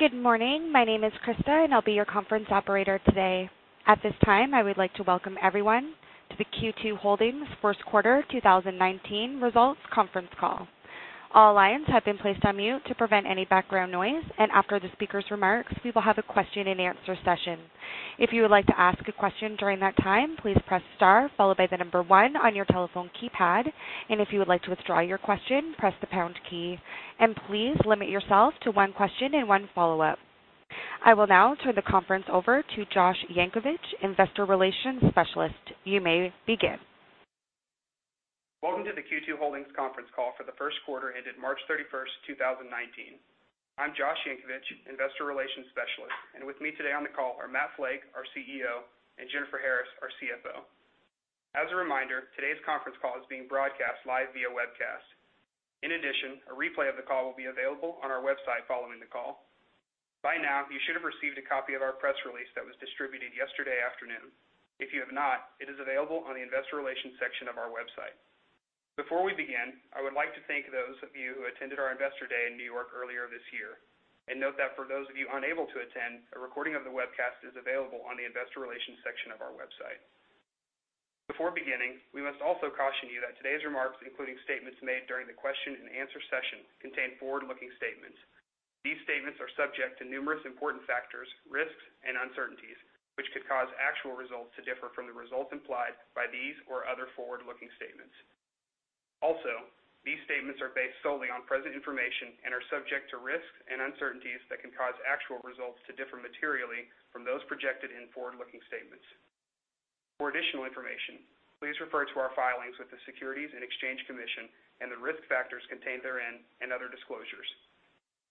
Good morning. My name is Krista, and I'll be your conference operator today. At this time, I would like to welcome everyone to the Q2 Holdings First Quarter 2019 Results Conference Call. All lines have been placed on mute to prevent any background noise, and after the speaker's remarks, we will have a question and answer session. If you would like to ask a question during that time, please press star followed by the number one on your telephone keypad. If you would like to withdraw your question, press the pound key. Please limit yourself to one question and one follow-up. I will now turn the conference over to Josh Yankovich, Investor Relations Specialist. You may begin. Welcome to the Q2 Holdings conference call for the first quarter ended March 31st, 2019. I'm Josh Yankovich, Investor Relations Specialist, and with me today on the call are Matt Flake, our CEO, and Jennifer Harris, our CFO. As a reminder, today's conference call is being broadcast live via webcast. In addition, a replay of the call will be available on our website following the call. By now, you should have received a copy of our press release that was distributed yesterday afternoon. If you have not, it is available on the investor relations section of our website. Before we begin, I would like to thank those of you who attended our investor day in New York earlier this year. Note that for those of you unable to attend, a recording of the webcast is available on the investor relations section of our website. Before beginning, we must also caution you that today's remarks, including statements made during the question and answer session, contain forward-looking statements. These statements are subject to numerous important factors, risks, and uncertainties, which could cause actual results to differ from the results implied by these or other forward-looking statements. These statements are based solely on present information and are subject to risks and uncertainties that can cause actual results to differ materially from those projected in forward-looking statements. For additional information, please refer to our filings with the Securities and Exchange Commission and the risk factors contained therein and other disclosures.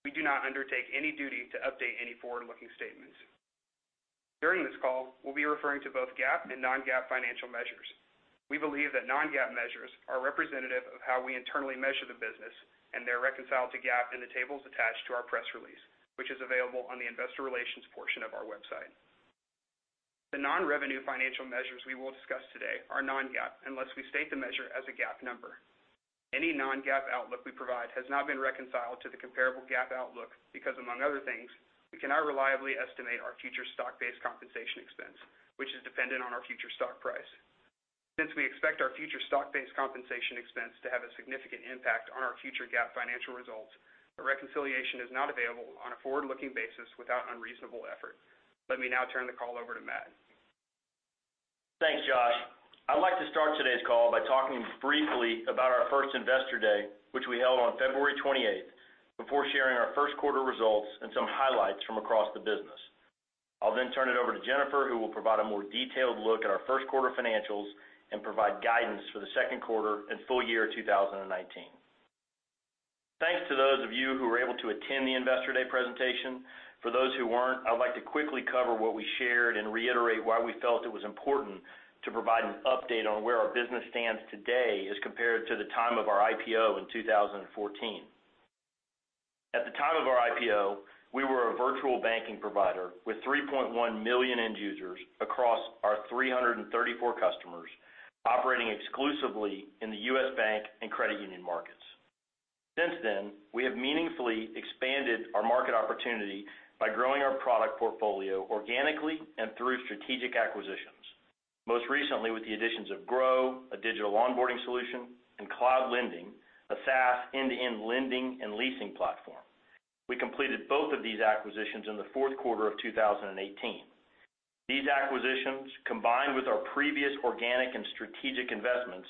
We do not undertake any duty to update any forward-looking statements. During this call, we'll be referring to both GAAP and non-GAAP financial measures. We believe that non-GAAP measures are representative of how we internally measure the business, and they're reconciled to GAAP in the tables attached to our press release, which is available on the investor relations portion of our website. The non-revenue financial measures we will discuss today are non-GAAP, unless we state the measure as a GAAP number. Any non-GAAP outlook we provide has not been reconciled to the comparable GAAP outlook because, among other things, we cannot reliably estimate our future stock-based compensation expense, which is dependent on our future stock price. Since we expect our future stock-based compensation expense to have a significant impact on our future GAAP financial results, a reconciliation is not available on a forward-looking basis without unreasonable effort. Let me now turn the call over to Matt. Thanks, Josh. I'd like to start today's call by talking briefly about our first investor day, which we held on February 28th, before sharing our first quarter results and some highlights from across the business. I'll then turn it over to Jennifer, who will provide a more detailed look at our first quarter financials and provide guidance for the second quarter and full year 2019. Thanks to those of you who were able to attend the investor day presentation. For those who weren't, I'd like to quickly cover what we shared and reiterate why we felt it was important to provide an update on where our business stands today as compared to the time of our IPO in 2014. At the time of our IPO, we were a virtual banking provider with 3.1 million end users across our 334 customers, operating exclusively in the U.S. bank and credit union markets. Since then, we have meaningfully expanded our market opportunity by growing our product portfolio organically and through strategic acquisitions. Most recently with the additions of Gro, a digital onboarding solution, and Cloud Lending, a SaaS end-to-end lending and leasing platform. We completed both of these acquisitions in the fourth quarter of 2018. These acquisitions, combined with our previous organic and strategic investments,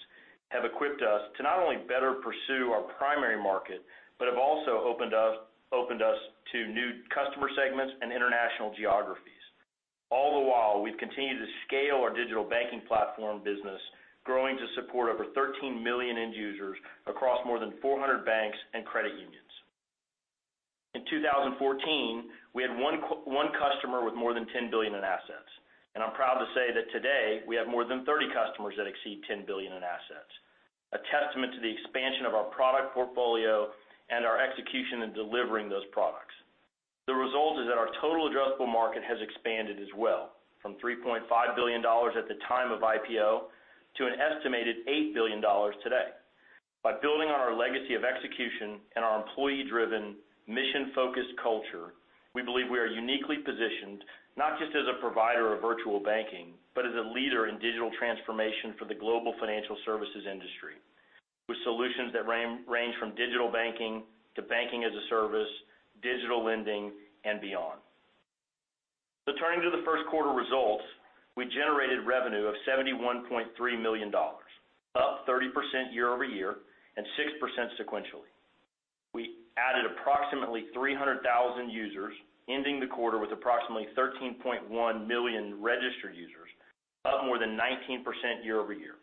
have equipped us to not only better pursue our primary market, but have also opened us to new customer segments and international geographies. All the while, we've continued to scale our digital banking platform business, growing to support over 13 million end users across more than 400 banks and credit unions. In 2014, we had one customer with more than $10 billion in assets. I'm proud to say that today, we have more than 30 customers that exceed $10 billion in assets, a testament to the expansion of our product portfolio and our execution in delivering those products. The result is that our total addressable market has expanded as well from $3.5 billion at the time of IPO to an estimated $8 billion today. By building on our legacy of execution and our employee-driven, mission-focused culture, we believe we are uniquely positioned, not just as a provider of virtual banking, but as a leader in digital transformation for the global financial services industry, with solutions that range from digital banking to Banking as a Service, digital lending, and beyond. Turning to the first quarter results, we generated revenue of $71.3 million, up 30% year-over-year and 6% sequentially. We added approximately 300,000 users, ending the quarter with approximately 13.1 million registered users, up more than 19% year-over-year.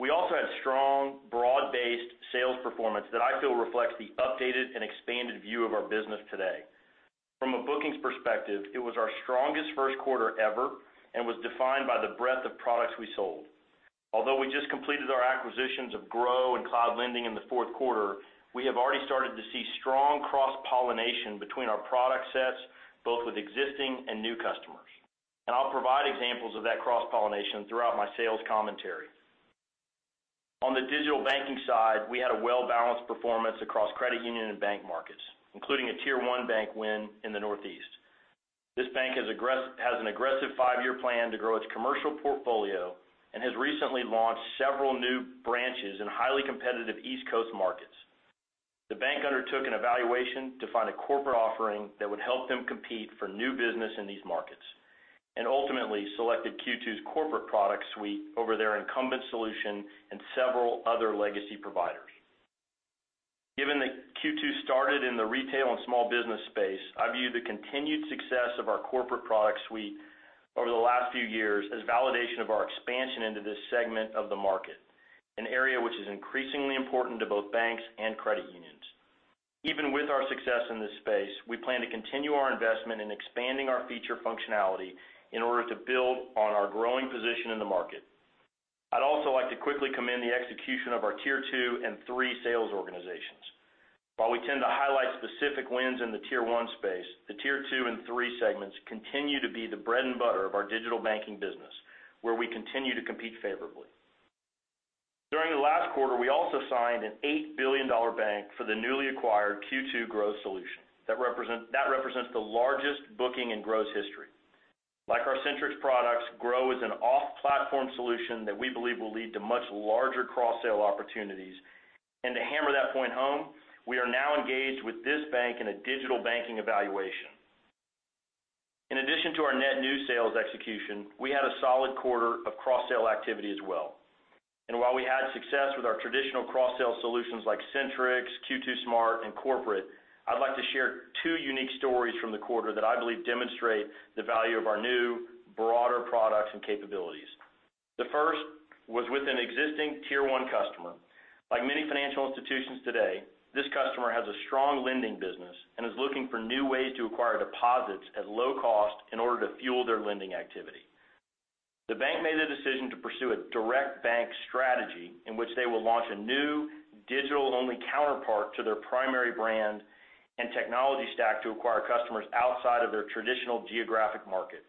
We also had strong, broad-based sales performance that I feel reflects the updated and expanded view of our business today. From a bookings perspective, it was our strongest first quarter ever and was defined by the breadth of products we sold. Although we just completed our acquisitions of Gro and Cloud Lending in the fourth quarter, we have already started to see strong cross-pollination between our product sets, both with existing and new customers. I'll provide examples of that cross-pollination throughout my sales commentary. On the digital banking side, we had a well-balanced performance across credit union and bank markets, including a tier 1 bank win in the Northeast. This bank has an aggressive five-year plan to grow its commercial portfolio and has recently launched several new branches in highly competitive East Coast markets. The bank undertook an evaluation to find a corporate offering that would help them compete for new business in these markets, ultimately selected Q2's corporate product suite over their incumbent solution and several other legacy providers. Given that Q2 started in the retail and small business space, I view the continued success of our corporate product suite over the last few years as validation of our expansion into this segment of the market, an area which is increasingly important to both banks and credit unions. Even with our success in this space, we plan to continue our investment in expanding our feature functionality in order to build on our growing position in the market. I'd also like to quickly commend the execution of our tier 2 and 3 sales organizations. While we tend to highlight specific wins in the tier 1 space, the tier 2 and 3 segments continue to be the bread and butter of our digital banking business, where we continue to compete favorably. During the last quarter, we also signed an $8 billion bank for the newly acquired Q2 Gro solution. That represents the largest booking in Gro's history. Like our Centrix products, Gro is an off-platform solution that we believe will lead to much larger cross-sale opportunities. To hammer that point home, we are now engaged with this bank in a digital banking evaluation. In addition to our net new sales execution, we had a solid quarter of cross-sale activity as well. While we had success with our traditional cross-sale solutions like Centrix, Q2 SMART, and Corporate, I'd like to share two unique stories from the quarter that I believe demonstrate the value of our new broader products and capabilities. The first was with an existing tier 1 customer. Like many financial institutions today, this customer has a strong lending business and is looking for new ways to acquire deposits at low cost in order to fuel their lending activity. The bank made the decision to pursue a direct bank strategy, in which they will launch a new digital-only counterpart to their primary brand and technology stack to acquire customers outside of their traditional geographic market.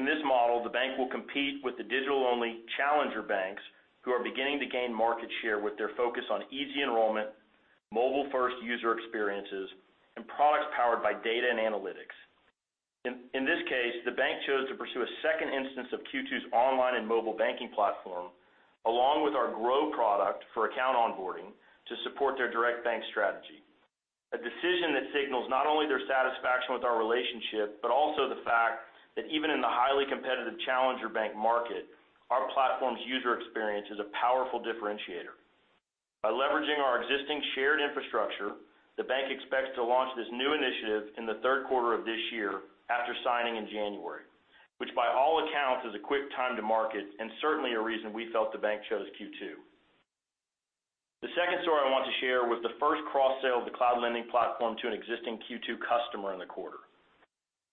In this model, the bank will compete with the digital-only challenger banks who are beginning to gain market share with their focus on easy enrollment, mobile-first user experiences, and products powered by data and analytics. In this case, the bank chose to pursue a second instance of Q2's online and mobile banking platform, along with our Gro product for account onboarding to support their direct bank strategy. A decision that signals not only their satisfaction with our relationship, but also the fact that even in the highly competitive challenger bank market, our platform's user experience is a powerful differentiator. By leveraging our existing shared infrastructure, the bank expects to launch this new initiative in the third quarter of this year after signing in January, which by all accounts is a quick time to market and certainly a reason we felt the bank chose Q2. The second story I want to share was the first cross-sale of the Cloud Lending platform to an existing Q2 customer in the quarter.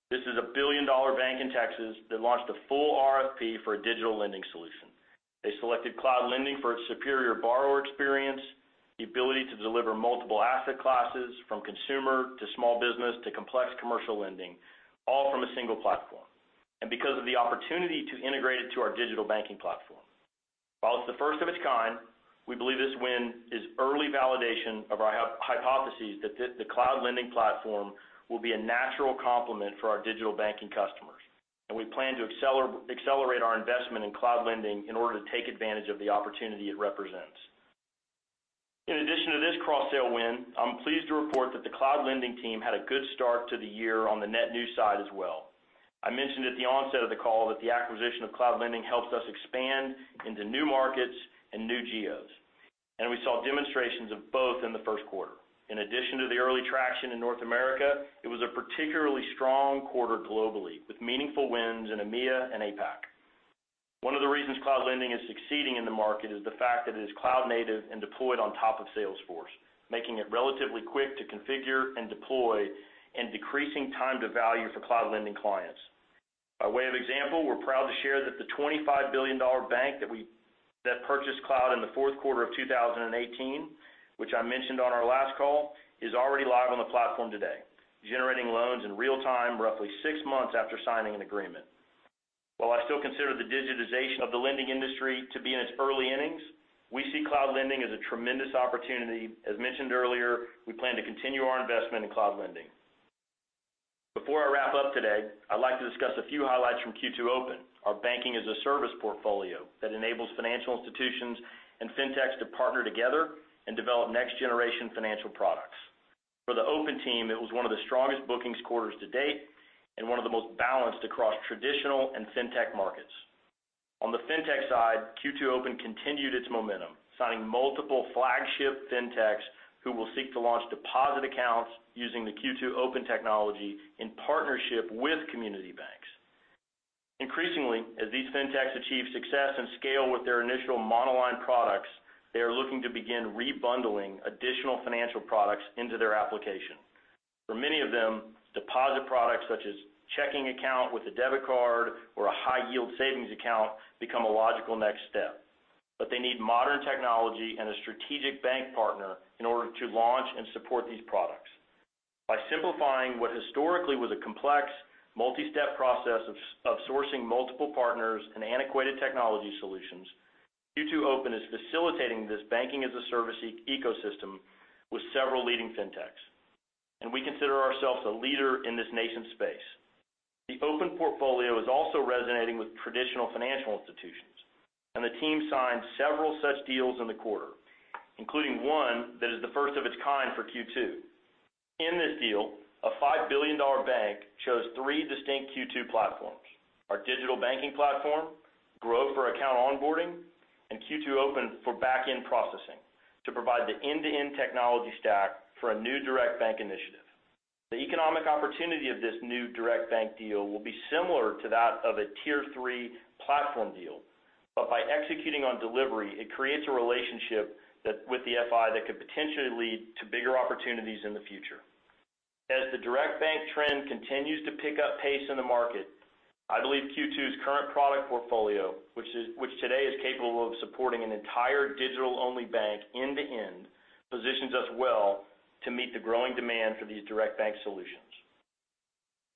This is a billion-dollar bank in Texas that launched a full RFP for a digital lending solution. They selected Cloud Lending for its superior borrower experience, the ability to deliver multiple asset classes from consumer to small business to complex commercial lending, all from a single platform, and because of the opportunity to integrate it to our digital banking platform. While it's the first of its kind, we believe this win is early validation of our hypothesis that the Cloud Lending platform will be a natural complement for our digital banking customers. We plan to accelerate our investment in Cloud Lending in order to take advantage of the opportunity it represents. In addition to this cross-sale win, I'm pleased to report that the Cloud Lending team had a good start to the year on the net new side as well. I mentioned at the onset of the call that the acquisition of Cloud Lending helps us expand into new markets and new geos. We saw demonstrations of both in the first quarter. In addition to the early traction in North America, it was a particularly strong quarter globally, with meaningful wins in EMEA and APAC. One of the reasons Cloud Lending is succeeding in the market is the fact that it is cloud-native and deployed on top of Salesforce, making it relatively quick to configure and deploy and decreasing time to value for Cloud Lending clients. By way of example, we're proud to share that the $25 billion bank that purchased Cloud Lending in the fourth quarter of 2018, which I mentioned on our last call, is already live on the platform today, generating loans in real-time, roughly six months after signing an agreement. While I still consider the digitization of the lending industry to be in its early innings, we see Cloud Lending as a tremendous opportunity. As mentioned earlier, we plan to continue our investment in Cloud Lending. Before I wrap up today, I'd like to discuss a few highlights from Q2 Open, our banking-as-a-service portfolio that enables financial institutions and fintechs to partner together and develop next-generation financial products. For the Open team, it was one of the strongest bookings quarters to date and one of the most balanced across traditional and fintech markets. On the fintech side, Q2 Open continued its momentum, signing multiple flagship fintechs who will seek to launch deposit accounts using the Q2 Open technology in partnership with community banks. Increasingly, as these fintechs achieve success and scale with their initial monoline products, they are looking to begin rebundling additional financial products into their application. For many of them, deposit products such as checking account with a debit card or a high-yield savings account become a logical next step. They need modern technology and a strategic bank partner in order to launch and support these products. By simplifying what historically was a complex, multi-step process of sourcing multiple partners and antiquated technology solutions, Q2 Open is facilitating this banking-as-a-service ecosystem with several leading fintechs, and we consider ourselves a leader in this nascent space. The Open portfolio is also resonating with traditional financial institutions, and the team signed several such deals in the quarter, including one that is the first of its kind for Q2. In this deal, a $5 billion bank chose three distinct Q2 platforms. Our digital banking platform, Gro for account onboarding, and Q2 Open for back-end processing to provide the end-to-end technology stack for a new direct bank initiative. The economic opportunity of this new direct bank deal will be similar to that of a tier 3 platform deal, but by executing on delivery, it creates a relationship with the FI that could potentially lead to bigger opportunities in the future. As the direct bank trend continues to pick up pace in the market, I believe Q2's current product portfolio, which today is capable of supporting an entire digital-only bank end-to-end, positions us well to meet the growing demand for these direct bank solutions.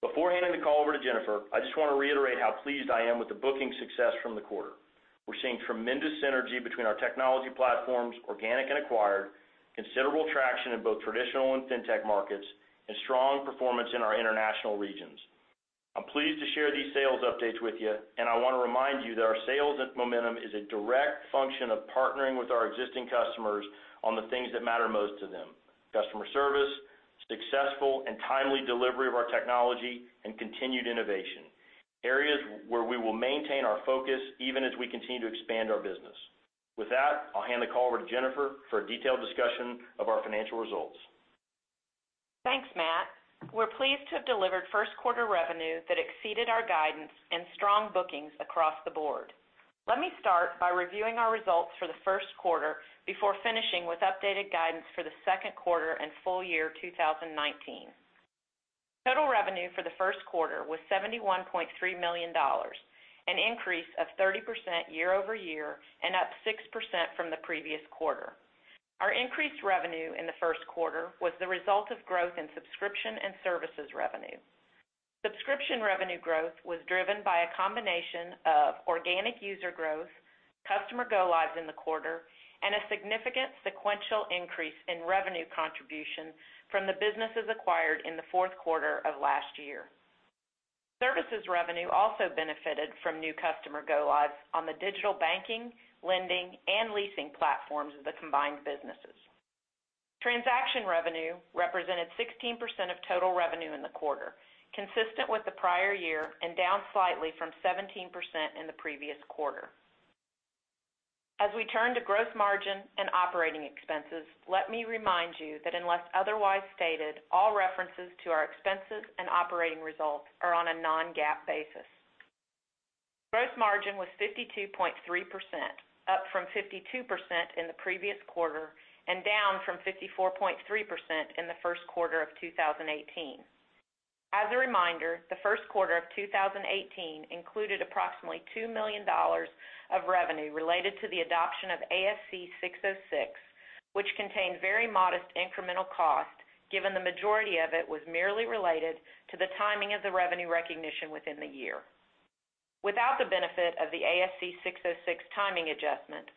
Before handing the call over to Jennifer, I just want to reiterate how pleased I am with the booking success from the quarter. We're seeing tremendous synergy between our technology platforms, organic and acquired, considerable traction in both traditional and fintech markets, and strong performance in our international regions. I'm pleased to share these sales updates with you. I want to remind you that our sales momentum is a direct function of partnering with our existing customers on the things that matter most to them. Customer service, successful and timely delivery of our technology, and continued innovation. Areas where we will maintain our focus even as we continue to expand our business. With that, I'll hand the call over to Jennifer for a detailed discussion of our financial results. Thanks, Matt. We're pleased to have delivered first quarter revenue that exceeded our guidance and strong bookings across the board. Let me start by reviewing our results for the first quarter before finishing with updated guidance for the second quarter and full year 2019. Total revenue for the first quarter was $71.3 million, an increase of 30% year-over-year and up 6% from the previous quarter. Our increased revenue in the first quarter was the result of growth in subscription and services revenue. Subscription revenue growth was driven by a combination of organic user growth, customer go-lives in the quarter, and a significant sequential increase in revenue contribution from the businesses acquired in the fourth quarter of last year. Services revenue also benefited from new customer go-lives on the digital banking, lending, and leasing platforms of the combined businesses. Transaction revenue represented 16% of total revenue in the quarter, consistent with the prior year and down slightly from 17% in the previous quarter. As we turn to gross margin and operating expenses, let me remind you that unless otherwise stated, all references to our expenses and operating results are on a non-GAAP basis. Gross margin was 52.3%, up from 52% in the previous quarter and down from 54.3% in the first quarter of 2018. As a reminder, the first quarter of 2018 included approximately $2 million of revenue related to the adoption of ASC 606, which contained very modest incremental cost, given the majority of it was merely related to the timing of the revenue recognition within the year. Without the benefit of the ASC 606 timing adjustment,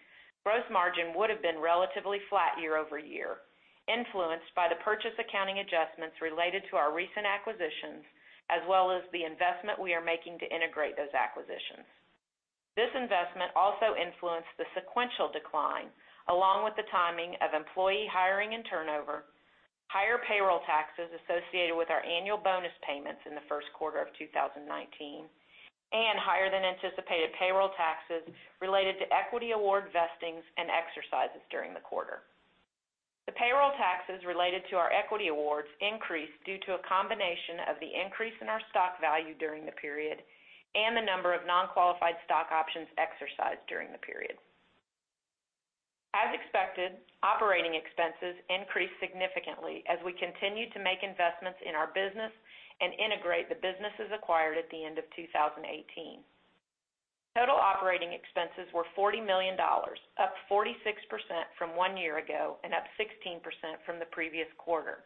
gross margin would have been relatively flat year-over-year, influenced by the purchase accounting adjustments related to our recent acquisitions, as well as the investment we are making to integrate those acquisitions. This investment also influenced the sequential decline, along with the timing of employee hiring and turnover, higher payroll taxes associated with our annual bonus payments in the first quarter of 2019, and higher than anticipated payroll taxes related to equity award vestings and exercises during the quarter. The payroll taxes related to our equity awards increased due to a combination of the increase in our stock value during the period and the number of non-qualified stock options exercised during the period. As expected, operating expenses increased significantly as we continued to make investments in our business and integrate the businesses acquired at the end of 2018. Total operating expenses were $40 million, up 46% from one year ago and up 16% from the previous quarter.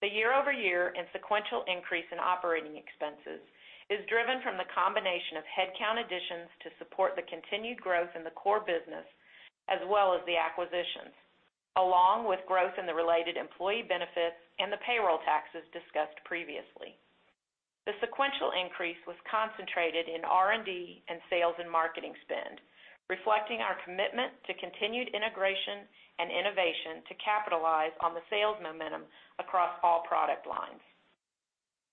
The year-over-year and sequential increase in operating expenses is driven from the combination of headcount additions to support the continued growth in the core business, as well as the acquisitions, along with growth in the related employee benefits and the payroll taxes discussed previously. The sequential increase was concentrated in R&D and sales and marketing spend, reflecting our commitment to continued integration and innovation to capitalize on the sales momentum across all product lines.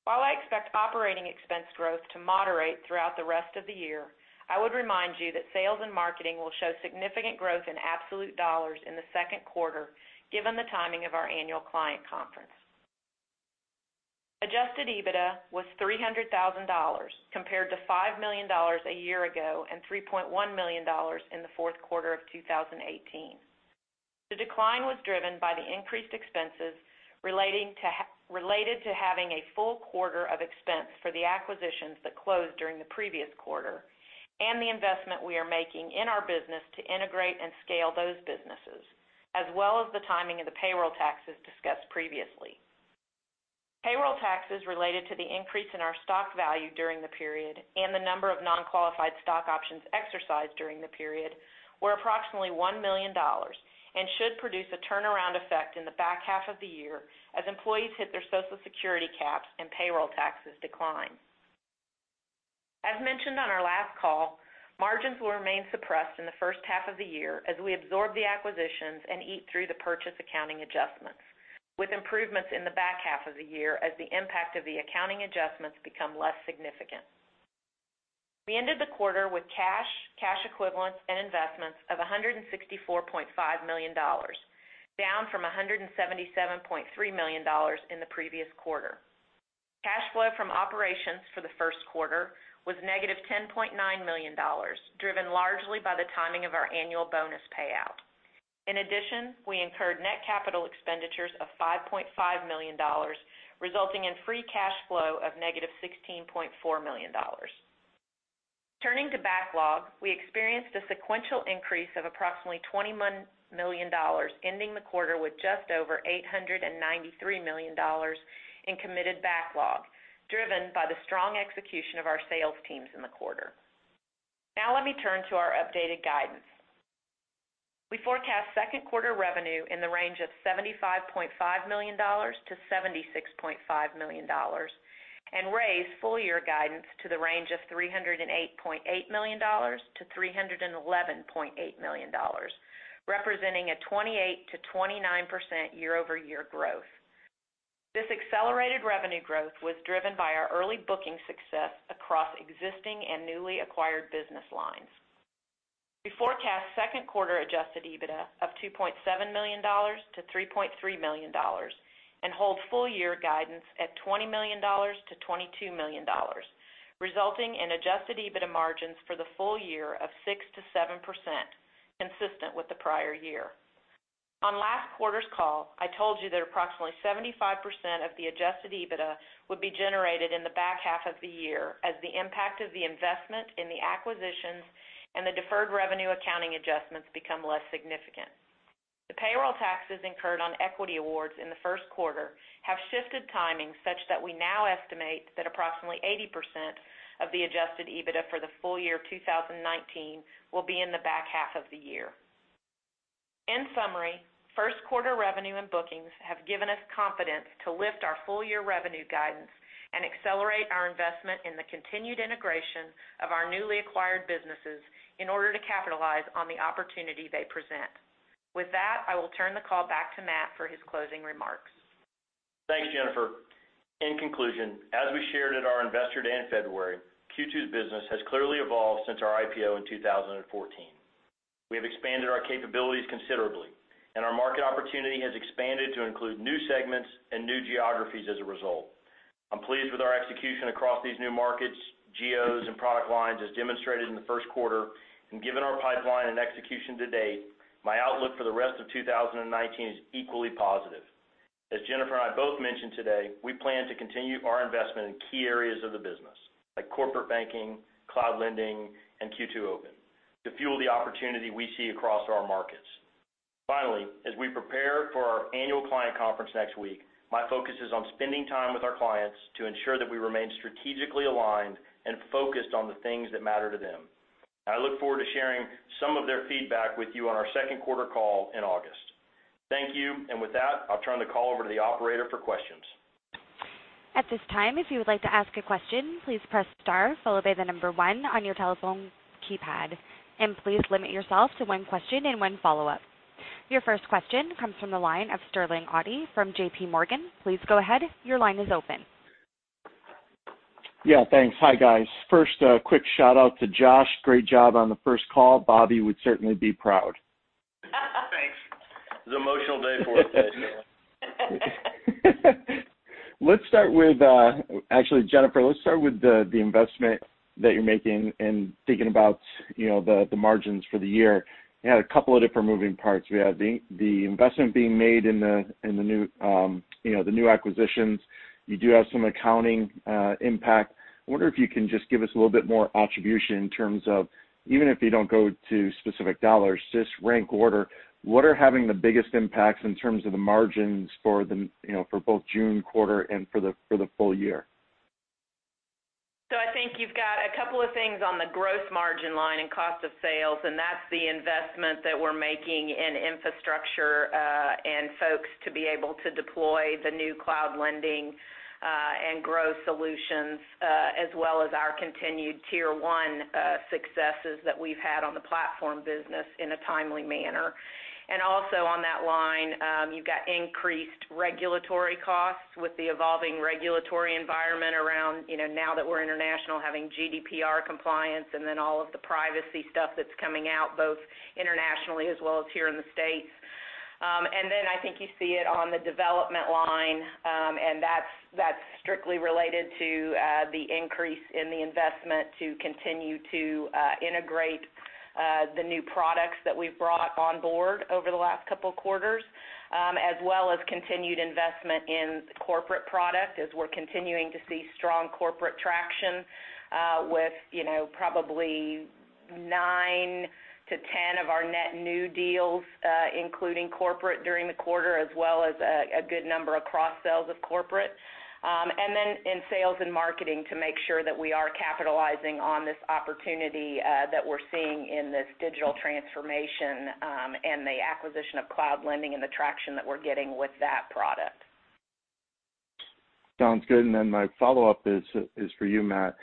While I expect operating expense growth to moderate throughout the rest of the year, I would remind you that sales and marketing will show significant growth in absolute dollars in the second quarter given the timing of our annual client conference. Adjusted EBITDA was $300,000, compared to $5 million a year ago and $3.1 million in the fourth quarter of 2018. The decline was driven by the increased expenses related to having a full quarter of expense for the acquisitions that closed during the previous quarter. The investment we are making in our business to integrate and scale those businesses, as well as the timing of the payroll taxes discussed previously. Payroll taxes related to the increase in our stock value during the period and the number of non-qualified stock options exercised during the period were approximately $1 million and should produce a turnaround effect in the back half of the year as employees hit their Social Security caps and payroll taxes decline. As mentioned on our last call, margins will remain suppressed in the first half of the year as we absorb the acquisitions and eat through the purchase accounting adjustments, with improvements in the back half of the year as the impact of the accounting adjustments become less significant. We ended the quarter with cash equivalents, and investments of $164.5 million, down from $177.3 million in the previous quarter. Cash flow from operations for the first quarter was negative $10.9 million, driven largely by the timing of our annual bonus payout. In addition, we incurred net capital expenditures of $5.5 million, resulting in free cash flow of negative $16.4 million. Turning to backlog, we experienced a sequential increase of approximately $21 million, ending the quarter with just over $893 million in committed backlog, driven by the strong execution of our sales teams in the quarter. Let me turn to our updated guidance. We forecast second quarter revenue in the range of $75.5 million-$76.5 million and raise full year guidance to the range of $308.8 million-$311.8 million, representing a 28%-29% year-over-year growth. This accelerated revenue growth was driven by our early booking success across existing and newly acquired business lines. We forecast second quarter adjusted EBITDA of $2.7 million-$3.3 million and hold full year guidance at $20 million-$22 million, resulting in adjusted EBITDA margins for the full year of 6%-7%, consistent with the prior year. On last quarter's call, I told you that approximately 75% of the adjusted EBITDA would be generated in the back half of the year as the impact of the investment in the acquisitions and the deferred revenue accounting adjustments become less significant. The payroll taxes incurred on equity awards in the first quarter have shifted timing such that we now estimate that approximately 80% of the adjusted EBITDA for the full year 2019 will be in the back half of the year. In summary, first quarter revenue and bookings have given us confidence to lift our full year revenue guidance and accelerate our investment in the continued integration of our newly acquired businesses in order to capitalize on the opportunity they present. With that, I will turn the call back to Matt for his closing remarks. Thanks, Jennifer. In conclusion, as we shared at our Investor Day in February, Q2's business has clearly evolved since our IPO in 2014. We have expanded our capabilities considerably, and our market opportunity has expanded to include new segments and new geographies as a result. I'm pleased with our execution across these new markets, geos, and product lines, as demonstrated in the first quarter. Given our pipeline and execution to date, my outlook for the rest of 2019 is equally positive. As Jennifer and I both mentioned today, we plan to continue our investment in key areas of the business, like corporate banking, Cloud Lending, and Q2 Open, to fuel the opportunity we see across our markets. Finally, as we prepare for our annual client conference next week, my focus is on spending time with our clients to ensure that we remain strategically aligned and focused on the things that matter to them. I look forward to sharing some of their feedback with you on our second quarter call in August. Thank you. With that, I'll turn the call over to the operator for questions. At this time, if you would like to ask a question, please press star followed by the number 1 on your telephone keypad, and please limit yourself to one question and one follow-up. Your first question comes from the line of Sterling Auty from JPMorgan. Please go ahead. Your line is open. Yeah, thanks. Hi, guys. First a quick shout-out to Josh. Great job on the first call. Bobby would certainly be proud. Thanks. It was an emotional day for us yesterday. Actually, Jennifer, let's start with the investment that you're making and thinking about the margins for the year. You had a couple of different moving parts. We have the investment being made in the new acquisitions. You do have some accounting impact. I wonder if you can just give us a little bit more attribution in terms of, even if you don't go to specific dollars, just rank order what are having the biggest impacts in terms of the margins for both June quarter and for the full year? I think you've got a couple of things on the gross margin line and cost of sales, and that's the investment that we're making in infrastructure and folks to be able to deploy the new Cloud Lending and growth solutions, as well as our continued tier 1 successes that we've had on the platform business in a timely manner. Also on that line, you've got increased regulatory costs with the evolving regulatory environment around now that we're international, having GDPR compliance and then all of the privacy stuff that's coming out both internationally as well as here in the U.S. I think you see it on the development line, and that's strictly related to the increase in the investment to continue to integrate the new products that we've brought on board over the last couple of quarters, as well as continued investment in corporate product as we're continuing to see strong corporate traction with probably 9 to 10 of our net new deals including corporate during the quarter, as well as a good number of cross-sales of corporate. In sales and marketing to make sure that we are capitalizing on this opportunity that we're seeing in this digital transformation, and the acquisition of Cloud Lending and the traction that we're getting with that product. Sounds good. My follow-up is for you, Matt.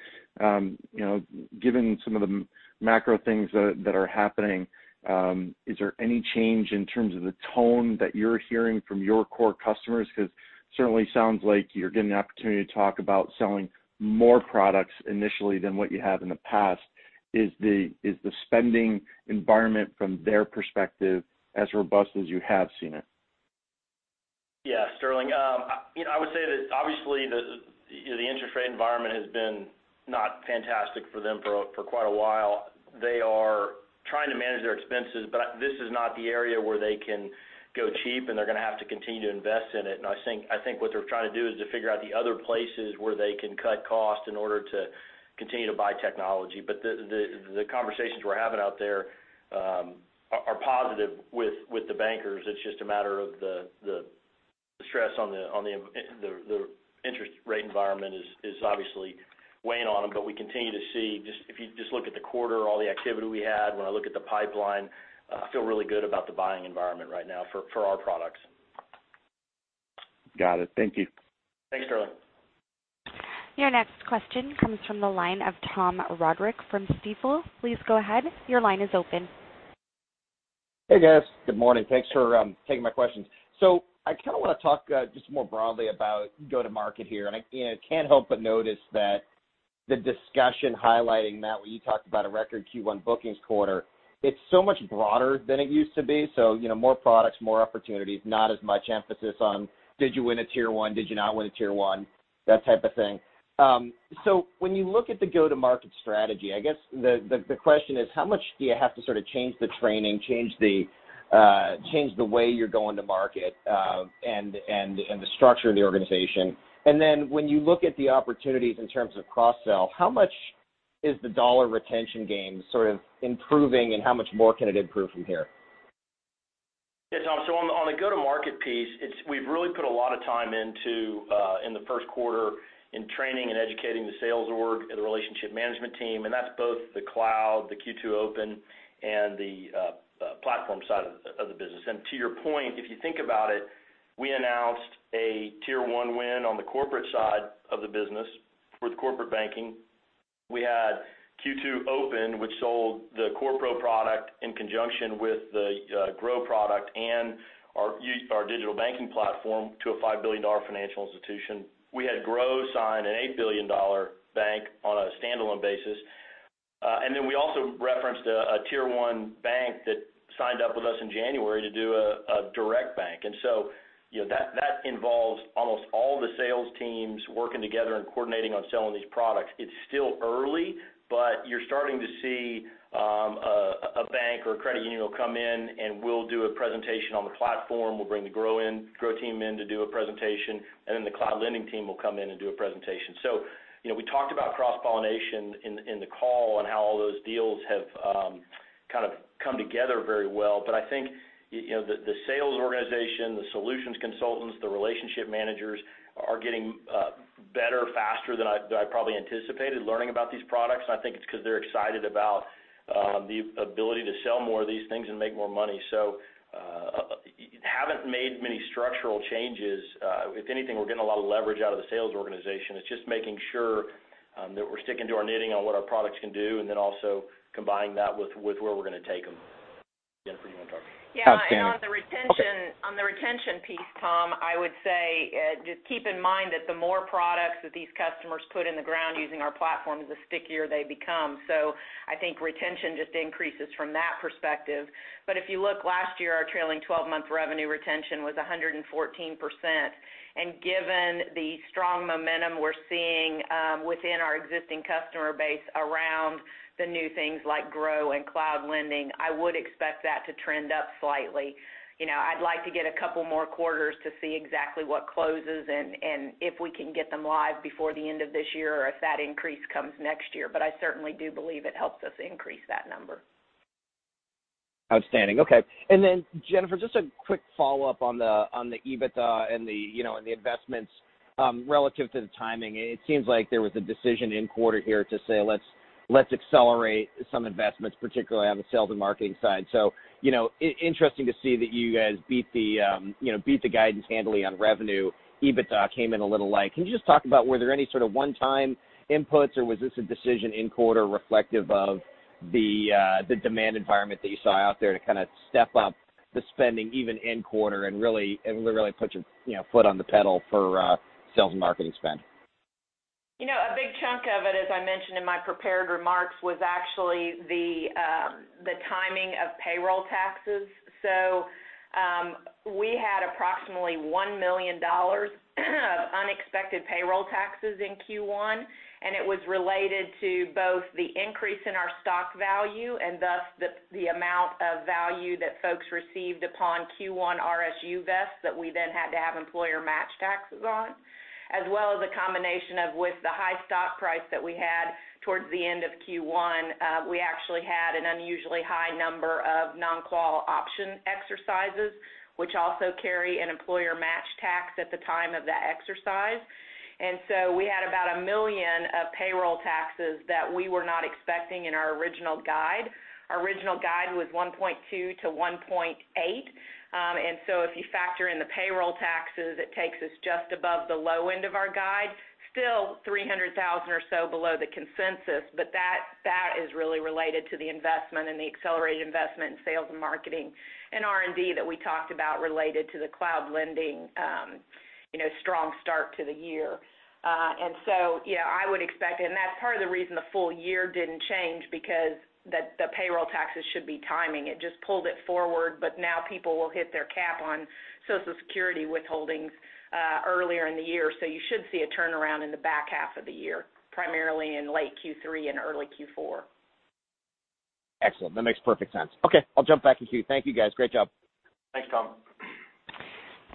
Given some of the macro things that are happening, is there any change in terms of the tone that you're hearing from your core customers? Certainly sounds like you're getting an opportunity to talk about selling more products initially than what you have in the past. Is the spending environment from their perspective as robust as you have seen it? Yes, Sterling. I would say that obviously, the interest rate environment has been not fantastic for them for quite a while. They are trying to manage their expenses, this is not the area where they can go cheap, and they're going to have to continue to invest in it. I think what they're trying to do is to figure out the other places where they can cut costs in order to continue to buy technology. The conversations we're having out there are positive with the bankers. It's just a matter of the stress on the interest rate environment is obviously weighing on them. We continue to see, if you just look at the quarter, all the activity we had, when I look at the pipeline, I feel really good about the buying environment right now for our products. Got it. Thank you. Thanks, Sterling. Your next question comes from the line of Thomas Roderick from Stifel. Please go ahead. Your line is open. Hey, guys. Good morning. Thanks for taking my questions. I kind of want to talk just more broadly about go-to-market here, I can't help but notice that the discussion highlighting, Matt, where you talked about a record Q1 bookings quarter, it's so much broader than it used to be. More products, more opportunities, not as much emphasis on did you win a tier 1, did you not win a tier 1, that type of thing. When you look at the go-to-market strategy, I guess the question is how much do you have to sort of change the training, change the way you're going to market, and the structure of the organization? When you look at the opportunities in terms of cross-sell, how much is the dollar retention game sort of improving, and how much more can it improve from here? Yeah, Tom. On the go-to-market piece, we've really put a lot of time in the first quarter in training and educating the sales org and the relationship management team, and that's both the cloud, the Q2 Open, and the platform side of the business. To your point, if you think about it, we announced a tier-1 win on the corporate side of the business with corporate banking. We had Q2 Open, which sold the CorePro product in conjunction with the Gro product and our digital banking platform to a $5 billion financial institution. We had Gro sign an $8 billion bank on a standalone basis. We also referenced a tier-1 bank that signed up with us in January to do a direct bank. That involves almost all the sales teams working together and coordinating on selling these products. It's still early, but you're starting to see a bank or a credit union will come in, and we'll do a presentation on the platform. We'll bring the Gro team in to do a presentation, and then the cloud lending team will come in and do a presentation. We talked about cross-pollination in the call and how all those deals have kind of come together very well. I think, the sales organization, the solutions consultants, the relationship managers are getting better faster than I probably anticipated learning about these products. I think it's because they're excited about the ability to sell more of these things and make more money. Haven't made many structural changes. If anything, we're getting a lot of leverage out of the sales organization. It's just making sure that we're sticking to our knitting on what our products can do, and then also combining that with where we're going to take them. Jennifer, do you want to talk? Yeah. Outstanding. Okay. On the retention piece, Tom, I would say, just keep in mind that the more products that these customers put in the ground using our platform, the stickier they become. I think retention just increases from that perspective. If you look last year, our trailing 12-month revenue retention was 114%. Given the strong momentum we're seeing within our existing customer base around the new things like Gro and Cloud Lending, I would expect that to trend up slightly. I'd like to get a couple more quarters to see exactly what closes and if we can get them live before the end of this year, or if that increase comes next year. I certainly do believe it helps us increase that number. Outstanding. Okay. Then Jennifer, just a quick follow-up on the EBITDA and the investments. Relative to the timing, it seems like there was a decision in quarter here to say, "Let's accelerate some investments, particularly on the sales and marketing side." Interesting to see that you guys beat the guidance handily on revenue. EBITDA came in a little light. Can you just talk about, were there any sort of one-time inputs, or was this a decision in quarter reflective of the demand environment that you saw out there to kind of step up the spending even in quarter and really put your foot on the pedal for sales and marketing spend? A big chunk of it, as I mentioned in my prepared remarks, was actually the timing of payroll taxes. We had approximately $1 million of unexpected payroll taxes in Q1, and it was related to both the increase in our stock value and thus the amount of value that folks received upon Q1 RSU vest that we then had to have employer match taxes on, as well as a combination of, with the high stock price that we had towards the end of Q1, we actually had an unusually high number of non-qual option exercises, which also carry an employer match tax at the time of that exercise. We had about $1 million of payroll taxes that we were not expecting in our original guide. Our original guide was $1.2 million to $1.8 million. If you factor in the payroll taxes, it takes us just above the low end of our guide, still $300,000 or so below the consensus. That is really related to the investment and the accelerated investment in sales and marketing and R&D that we talked about related to the Cloud Lending strong start to the year. Yeah, I would expect, and that's part of the reason the full year didn't change because the payroll taxes should be timing. It just pulled it forward. But now people will hit their cap on Social Security withholdings earlier in the year. You should see a turnaround in the back half of the year, primarily in late Q3 and early Q4. Excellent. That makes perfect sense. Okay, I'll jump back in queue. Thank you, guys. Great job. Thanks, Tom.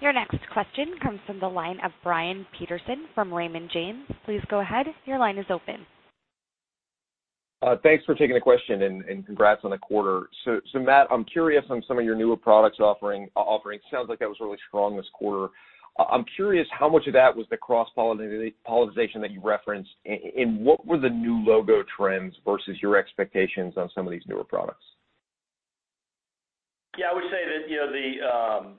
Your next question comes from the line of Brian Peterson from Raymond James. Please go ahead. Your line is open. Thanks for taking the question, and congrats on the quarter. Matt, I'm curious on some of your newer products offerings. Sounds like that was really strong this quarter. I'm curious how much of that was the cross-pollination that you referenced, and what were the new logo trends versus your expectations on some of these newer products? I would say that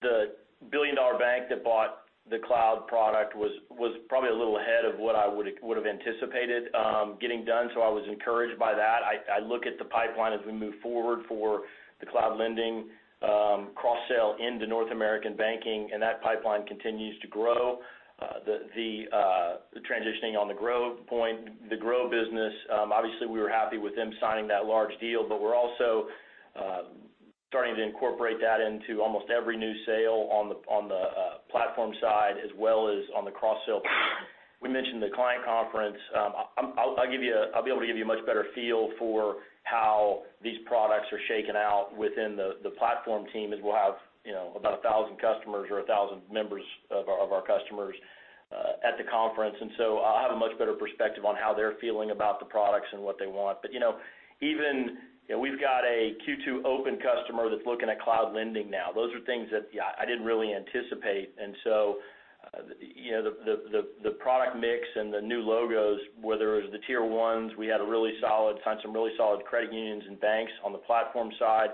the billion-dollar bank that bought the cloud product was probably a little ahead of what I would've anticipated getting done. I was encouraged by that. I look at the pipeline as we move forward for the Cloud Lending cross-sell into North American banking, that pipeline continues to grow. The transitioning on the Gro point, the Gro business, obviously, we were happy with them signing that large deal. We're also starting to incorporate that into almost every new sale on the platform side as well as on the cross-sell. We mentioned the client conference. I'll be able to give you a much better feel for how these products are shaking out within the platform team, as we'll have about 1,000 customers or 1,000 members of our customers at the conference. I'll have a much better perspective on how they're feeling about the products and what they want. Even, we've got a Q2 Open customer that's looking at Cloud Lending now. Those are things that I didn't really anticipate. The product mix and the new logos, whether it was the tier 1s, we had some really solid credit unions and banks on the platform side.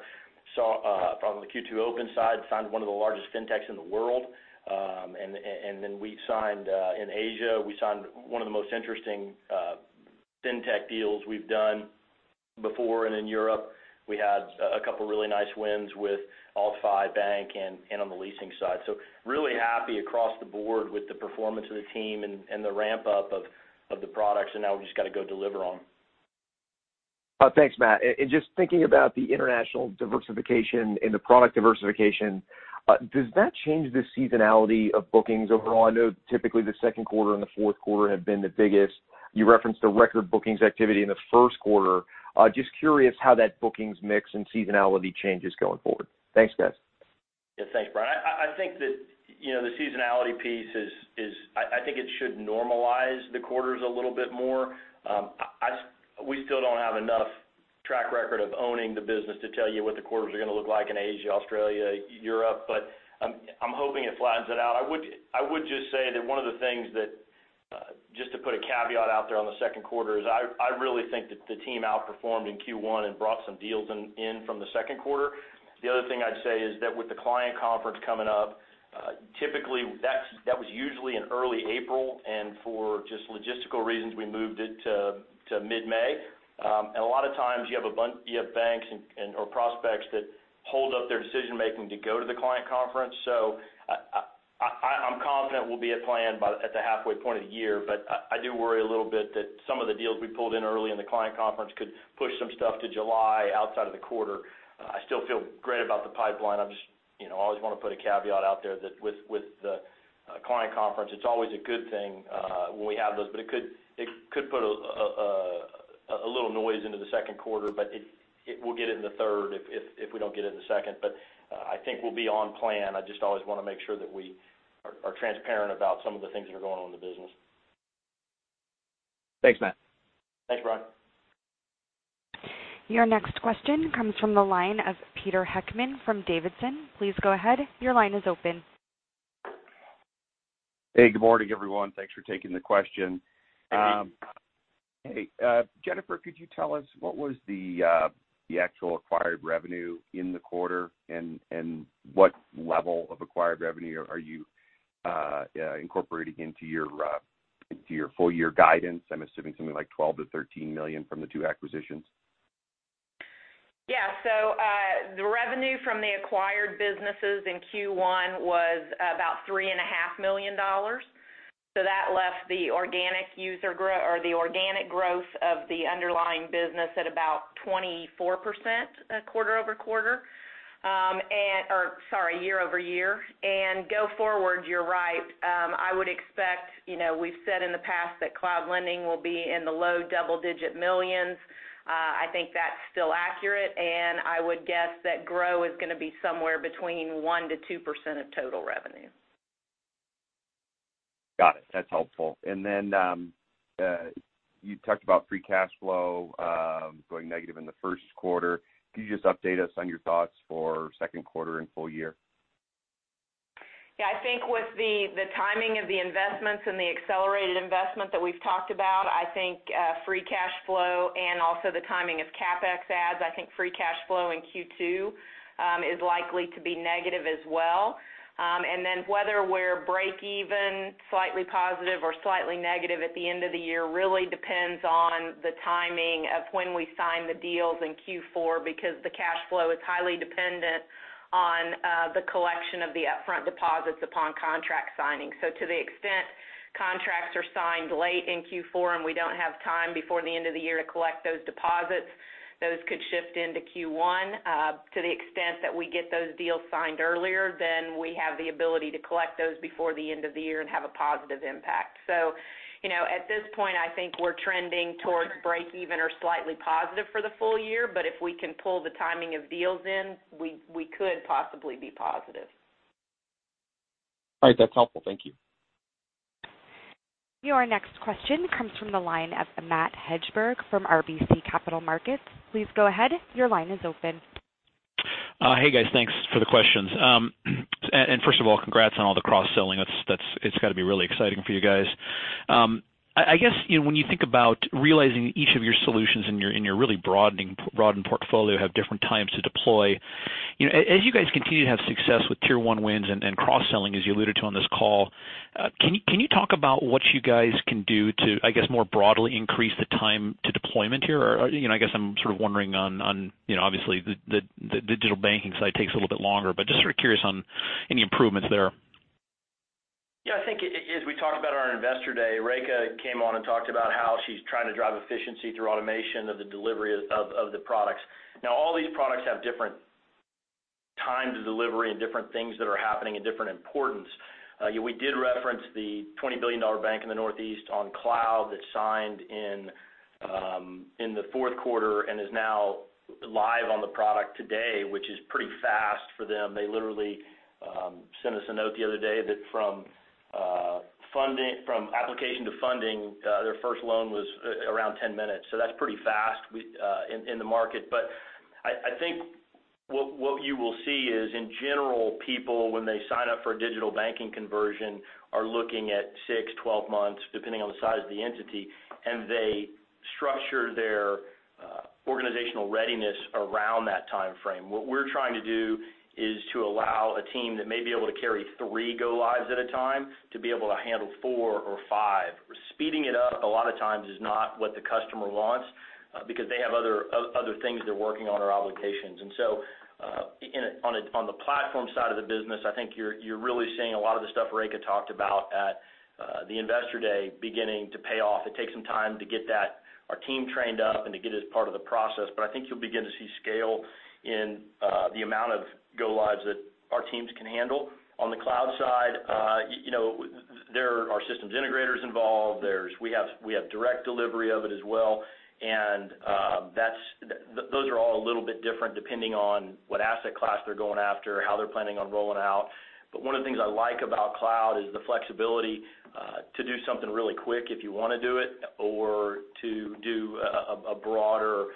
From the Q2 Open side, signed one of the largest fintechs in the world. We signed in Asia, we signed one of the most interesting fintech deals we've done before. In Europe, we had a couple really nice wins with Alfi Bank and on the leasing side. Really happy across the board with the performance of the team and the ramp-up of the products. Now we've just got to go deliver on them. Thanks, Matt. Just thinking about the international diversification and the product diversification, does that change the seasonality of bookings overall? I know typically the second quarter and the fourth quarter have been the biggest. You referenced the record bookings activity in the first quarter. Just curious how that bookings mix and seasonality changes going forward. Thanks, guys. Thanks, Brian. I think that the seasonality piece, I think it should normalize the quarters a little bit more. We still don't have enough track record of owning the business to tell you what the quarters are going to look like in Asia, Australia, Europe. I'm hoping it flattens it out. I would just say that one of the things that, just to put a caveat out there on the second quarter is, I really think that the team outperformed in Q1 and brought some deals in from the second quarter. The other thing I'd say is that with the client conference coming up, typically that was usually in early April, for just logistical reasons, we moved it to mid-May. A lot of times you have banks or prospects that hold up their decision-making to go to the client conference. I'm confident we'll be at plan at the halfway point of the year. I do worry a little bit that some of the deals we pulled in early in the client conference could push some stuff to July outside of the quarter. I still feel great about the pipeline. I just always want to put a caveat out there that with the client conference, it's always a good thing when we have those, but it could put a little noise into the second quarter, but we'll get it in the third if we don't get it in the second. I think we'll be on plan. I just always want to make sure that we are transparent about some of the things that are going on in the business. Thanks, Matt. Thanks, Brian. Your next question comes from the line of Peter Heckmann from Davidson. Please go ahead. Your line is open. Hey, good morning, everyone. Thanks for taking the question. Hey. Hey, Jennifer, could you tell us what was the actual acquired revenue in the quarter, and what level of acquired revenue are you incorporating into your full-year guidance? I'm assuming something like $12 million-$13 million from the two acquisitions. Yeah. The revenue from the acquired businesses in Q1 was about $3.5 million. That left the organic growth of the underlying business at about 24% year-over-year. Go forward, you're right. I would expect, we've said in the past that Cloud Lending will be in the low double-digit millions. I think that's still accurate. I would guess that Gro is going to be somewhere between 1%-2% of total revenue. Got it. That's helpful. You talked about free cash flow going negative in the first quarter. Could you just update us on your thoughts for second quarter and full year? I think with the timing of the investments and the accelerated investment that we've talked about, I think free cash flow and also the timing of CapEx adds, I think free cash flow in Q2 is likely to be negative as well. Then whether we're break even, slightly positive or slightly negative at the end of the year really depends on the timing of when we sign the deals in Q4 because the cash flow is highly dependent on the collection of the upfront deposits upon contract signing. To the extent contracts are signed late in Q4 and we don't have time before the end of the year to collect those deposits, those could shift into Q1. To the extent that we get those deals signed earlier, we have the ability to collect those before the end of the year and have a positive impact. At this point, I think we're trending towards break even or slightly positive for the full year. If we can pull the timing of deals in, we could possibly be positive. All right, that's helpful. Thank you. Your next question comes from the line of Matthew Hedberg from RBC Capital Markets. Please go ahead. Your line is open. Hey, guys. Thanks for the questions. First of all, congrats on all the cross-selling. It's got to be really exciting for you guys. I guess, when you think about realizing each of your solutions and you're really broadening portfolio have different times to deploy. As you guys continue to have success with tier 1 wins and cross-selling, as you alluded to on this call, can you talk about what you guys can do to, I guess more broadly increase the time to deployment here? I guess I'm sort of wondering on obviously the digital banking side takes a little bit longer, but just sort of curious on any improvements there. Yeah, I think as we talked about on our Investor Day, Reka came on and talked about how she's trying to drive efficiency through automation of the delivery of the products. All these products have different time to delivery and different things that are happening and different importance. We did reference the $20 billion bank in the Northeast on cloud that signed in the fourth quarter and is now live on the product today, which is pretty fast for them. They literally sent us a note the other day that from application to funding, their first loan was around 10 minutes. That's pretty fast in the market. I think what you will see is in general, people when they sign up for a digital banking conversion are looking at six, 12 months, depending on the size of the entity, and they structure their organizational readiness around that timeframe. What we're trying to do is to allow a team that may be able to carry three go lives at a time to be able to handle four or five. Speeding it up a lot of times is not what the customer wants because they have other things they're working on or obligations. On the platform side of the business, I think you're really seeing a lot of the stuff Reka talked about at the Investor Day beginning to pay off. It takes some time to get our team trained up and to get it as part of the process, but I think you'll begin to see scale in the amount of go lives that our teams can handle. On the cloud side, there are systems integrators involved. We have direct delivery of it as well. Those are all a little bit different depending on what asset class they're going after or how they're planning on rolling out. One of the things I like about cloud is the flexibility to do something really quick if you want to do it or to do a broader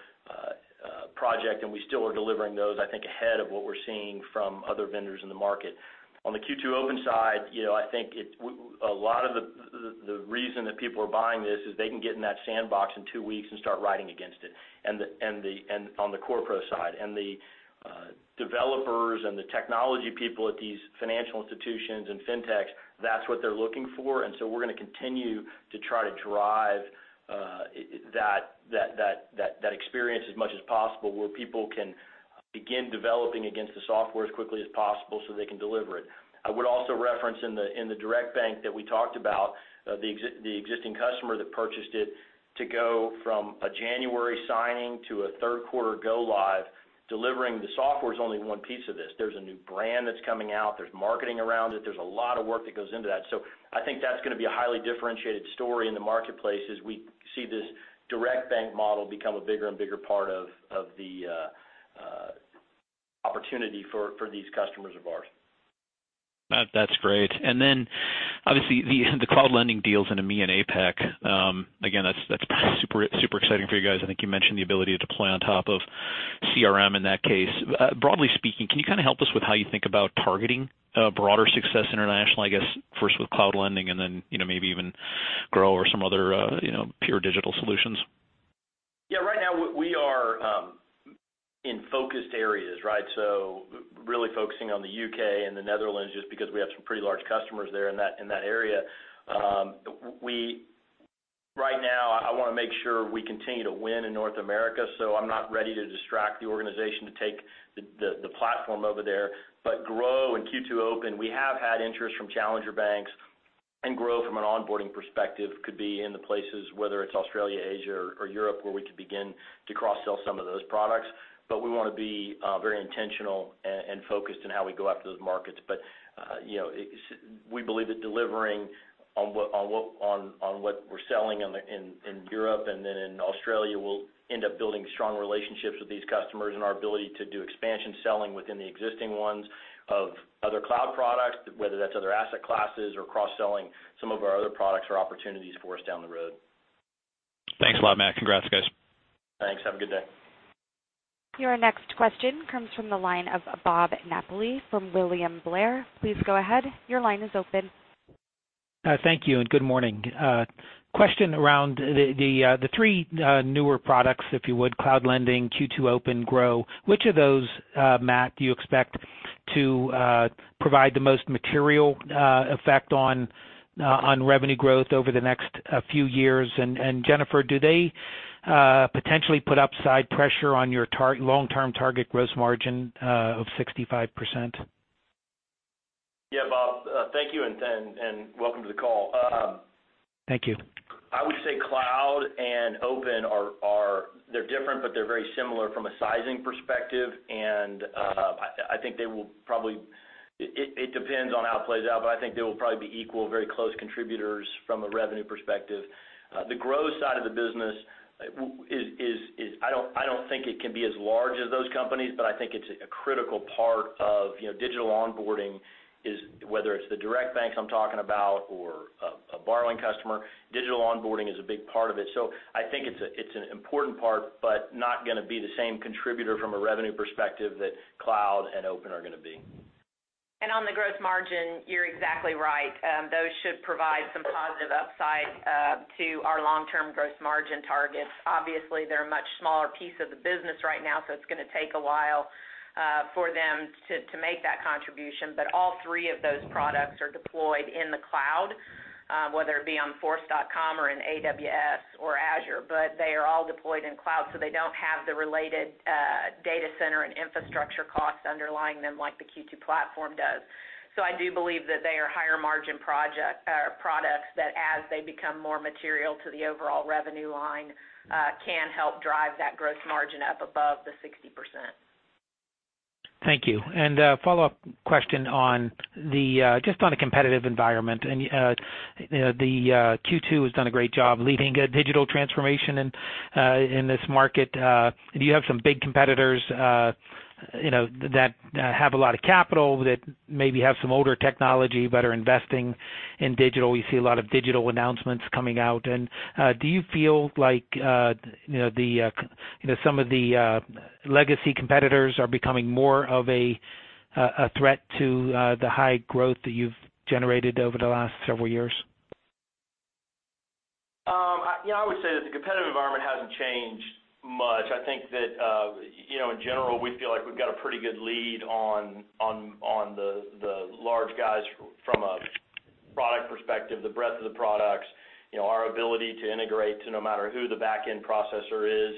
project. We still are delivering those, I think, ahead of what we're seeing from other vendors in the market. On the Q2 Open side, I think a lot of the reason that people are buying this is they can get in that sandbox in two weeks and start writing against it on the CorePro side. The developers and the technology people at these financial institutions and fintechs, that's what they're looking for. We're going to continue to try to drive that experience as much as possible where people can begin developing against the software as quickly as possible so they can deliver it. I would also reference in the direct bank that we talked about, the existing customer that purchased it to go from a January signing to a third quarter go live. Delivering the software is only one piece of this. There's a new brand that's coming out. There's marketing around it. There's a lot of work that goes into that. I think that's going to be a highly differentiated story in the marketplace as we see this direct bank model become a bigger and bigger part of the opportunity for these customers of ours. That's great. Obviously the Cloud Lending deals in EMEA and APAC, again, that's super exciting for you guys. I think you mentioned the ability to play on top of CRM in that case. Broadly speaking, can you kind of help us with how you think about targeting broader success internationally, I guess first with Cloud Lending and then maybe even Gro or some other pure digital solutions? Right now we are in focused areas, right? Really focusing on the U.K. and the Netherlands just because we have some pretty large customers there in that area. Right now, I want to make sure we continue to win in North America. I'm not ready to distract the organization to take the platform over there. Gro and Q2 Open, we have had interest from challenger banks, and Gro from an onboarding perspective could be in the places, whether it's Australia, Asia, or Europe, where we could begin to cross-sell some of those products. We want to be very intentional and focused on how we go after those markets. We believe that delivering on what we're selling in Europe and in Australia will end up building strong relationships with these customers and our ability to do expansion selling within the existing ones of other cloud products, whether that's other asset classes or cross-selling some of our other products or opportunities for us down the road. Thanks a lot, Matt. Congrats, guys. Thanks. Have a good day. Your next question comes from the line of Robert Napoli from William Blair. Please go ahead. Your line is open. Thank you, good morning. Question around the three newer products, if you would, Cloud Lending, Q2 Open, Gro. Which of those, Matt, do you expect to provide the most material effect on revenue growth over the next few years? Jennifer, do they potentially put upside pressure on your long-term target gross margin of 65%? Yeah, Bob. Thank you, and welcome to the call. Thank you. I would say Cloud and Open, they're different, but they're very similar from a sizing perspective. I think they will probably, it depends on how it plays out, but I think they will probably be equal, very close contributors from a revenue perspective. The Gro side of the business, I don't think it can be as large as those companies, but I think it's a critical part of digital onboarding. Whether it's the direct banks I'm talking about or a borrowing customer, digital onboarding is a big part of it. I think it's an important part, but not going to be the same contributor from a revenue perspective that Cloud and Open are going to be. On the gross margin, you're exactly right. Those should provide some positive upside to our long-term gross margin targets. Obviously, they're a much smaller piece of the business right now, so it's going to take a while for them to make that contribution. All three of those products are deployed in the cloud, whether it be on Force.com or in AWS or Azure. They are all deployed in cloud, so they don't have the related data center and infrastructure costs underlying them like the Q2 platform does. I do believe that they are higher margin products, that as they become more material to the overall revenue line, can help drive that gross margin up above the 60%. Thank you. A follow-up question just on the competitive environment. Q2 has done a great job leading a digital transformation in this market. Do you have some big competitors that have a lot of capital, that maybe have some older technology but are investing in digital? We see a lot of digital announcements coming out. Do you feel like some of the legacy competitors are becoming more of a threat to the high growth that you've generated over the last several years? I would say that the competitive environment hasn't changed much. I think that, in general, we feel like we've got a pretty good lead on the large guys from a product perspective, the breadth of the products, our ability to integrate to no matter who the back-end processor is.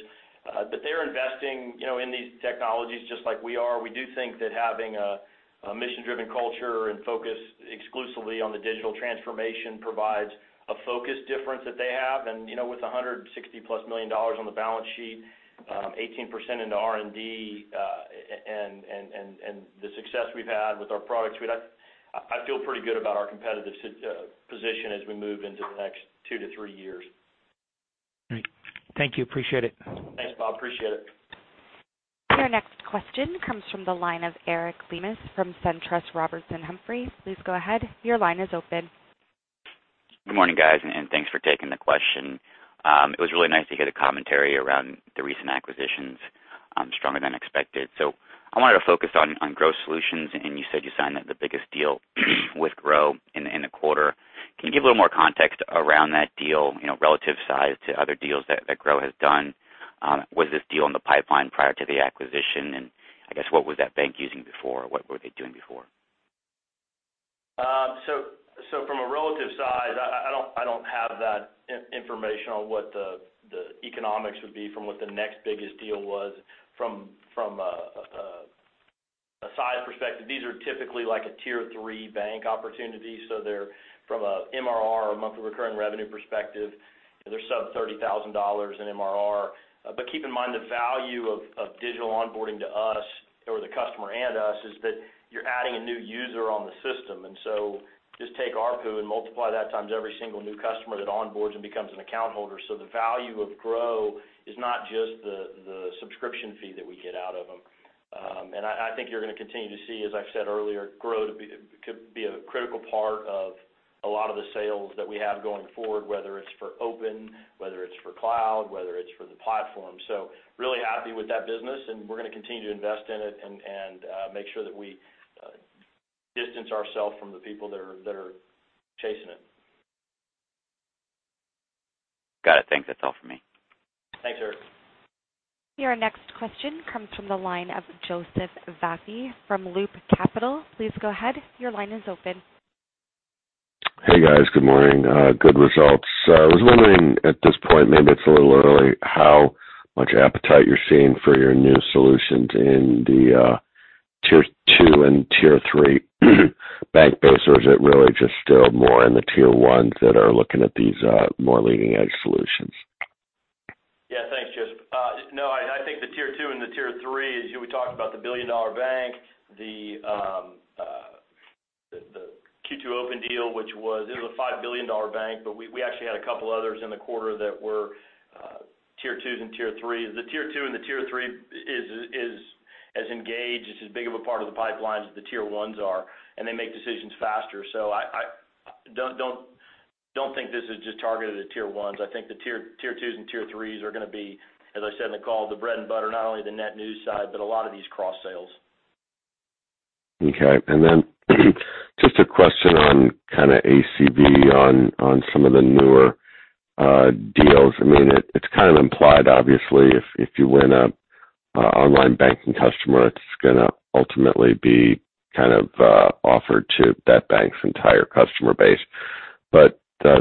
They're investing in these technologies just like we are. We do think that having a mission-driven culture and focus exclusively on the digital transformation provides a focus difference that they have. With $160-plus million on the balance sheet, 18% into R&D, and the success we've had with our products suite, I feel pretty good about our competitive position as we move into the next two to three years. Great. Thank you. Appreciate it. Thanks, Bob. Appreciate it. Our next question comes from the line of Eric Lemus from SunTrust Robinson Humphrey. Please go ahead. Your line is open. Good morning, guys, and thanks for taking the question. It was really nice to hear the commentary around the recent acquisitions, stronger than expected. I wanted to focus on Gro, you said you signed the biggest deal with Gro in the quarter. Can you give a little more context around that deal, relative size to other deals that Gro has done? Was this deal in the pipeline prior to the acquisition? What was that bank using before? What were they doing before? From a relative size, I don't have that information on what the economics would be from what the next biggest deal was. From a size perspective, these are typically like a tier 3 bank opportunity. They're from a MRR, or monthly recurring revenue perspective, they're sub-$30,000 in MRR. Keep in mind, the value of digital onboarding to us, or the customer and us, is that you're adding a new user on the system. Just take ARPU and multiply that times every single new customer that onboards and becomes an account holder. The value of Gro is not just the subscription fee that we get out of them. I think you're going to continue to see, as I've said earlier, Gro could be a critical part of a lot of the sales that we have going forward, whether it's for Open, whether it's for Cloud, whether it's for the platform. Really happy with that business, and we're going to continue to invest in it and make sure that we distance ourselves from the people that are chasing it. Got it. Thanks. That's all from me. Thanks, Eric. Your next question comes from the line of Joseph Vafi from Loop Capital. Please go ahead. Your line is open. I was wondering at this point, maybe it's a little early, how much appetite you're seeing for your new solutions in the tier 2 and tier 3 bank bases. Is it really just still more in the tier 1s that are looking at these more leading-edge solutions? Yeah. Thanks, Joseph. No, I think the tier 2 and the tier 3 is, we talked about the billion-dollar bank, the Q2 Open deal, which was, it was a $5 billion bank. We actually had a couple others in the quarter that were tier 2s and tier 3s. The tier 2 and the tier 3 is as engaged, it's as big of a part of the pipeline as the tier 1s are, and they make decisions faster. I don't think this is just targeted at tier 1s. I think the tier 2s and tier 3s are going to be, as I said in the call, the bread and butter, not only the net new side, but a lot of these cross sales. Okay. Just a question on kind of ACV on some of the newer deals. It's kind of implied, obviously, if you win an online banking customer, it's going to ultimately be kind of offered to that bank's entire customer base.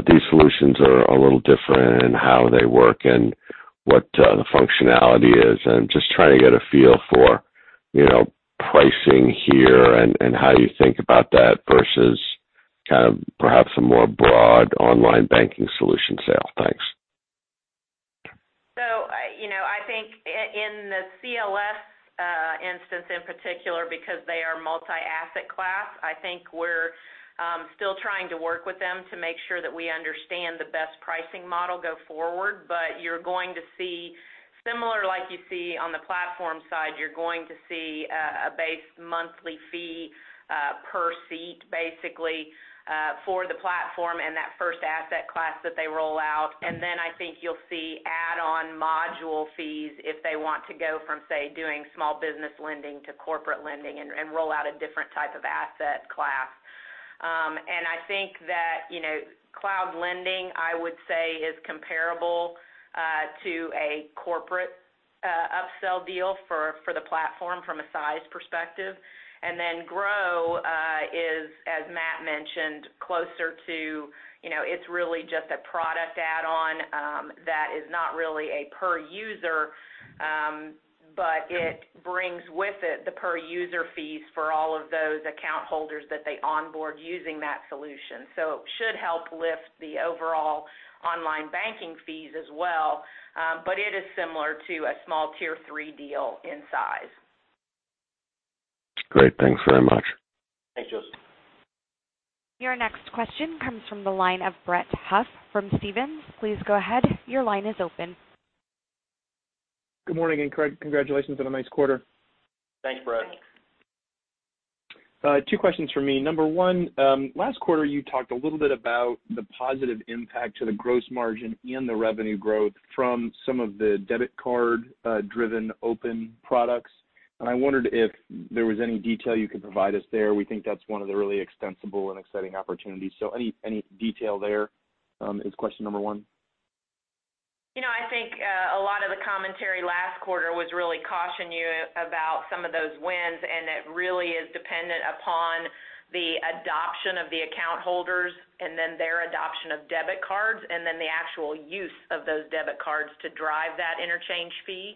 These solutions are a little different in how they work and what the functionality is, and just trying to get a feel for pricing here and how you think about that versus perhaps a more broad online banking solution sale. Thanks. I think in the CLS instance, in particular, because they are multi-asset class, I think we're still trying to work with them to make sure that we understand the best pricing model go forward. You're going to see similar, like you see on the platform side, you're going to see a base monthly fee, per seat, basically, for the platform and that first asset class that they roll out. I think you'll see add-on module fees if they want to go from, say, doing small business lending to corporate lending and roll out a different type of asset class. I think that Cloud Lending, I would say, is comparable to a corporate upsell deal for the platform from a size perspective. Gro is, as Matt mentioned, it's really just a product add-on that is not really a per user. It brings with it the per user fees for all of those account holders that they onboard using that solution. It should help lift the overall online banking fees as well. It is similar to a small tier 3 deal in size. Great. Thanks very much. Thanks, Joseph. Your next question comes from the line of Brett Huff from Stephens. Please go ahead. Your line is open. Good morning, and congratulations on a nice quarter. Thanks, Brett. Thanks. Two questions from me. Number one, last quarter, you talked a little bit about the positive impact to the gross margin and the revenue growth from some of the debit card-driven open products. I wondered if there was any detail you could provide us there. We think that's one of the really extensible and exciting opportunities. Any detail there is question number one. I think a lot of the commentary last quarter was really caution you about some of those wins. It really is dependent upon the adoption of the account holders and then their adoption of debit cards, and then the actual use of those debit cards to drive that interchange fee.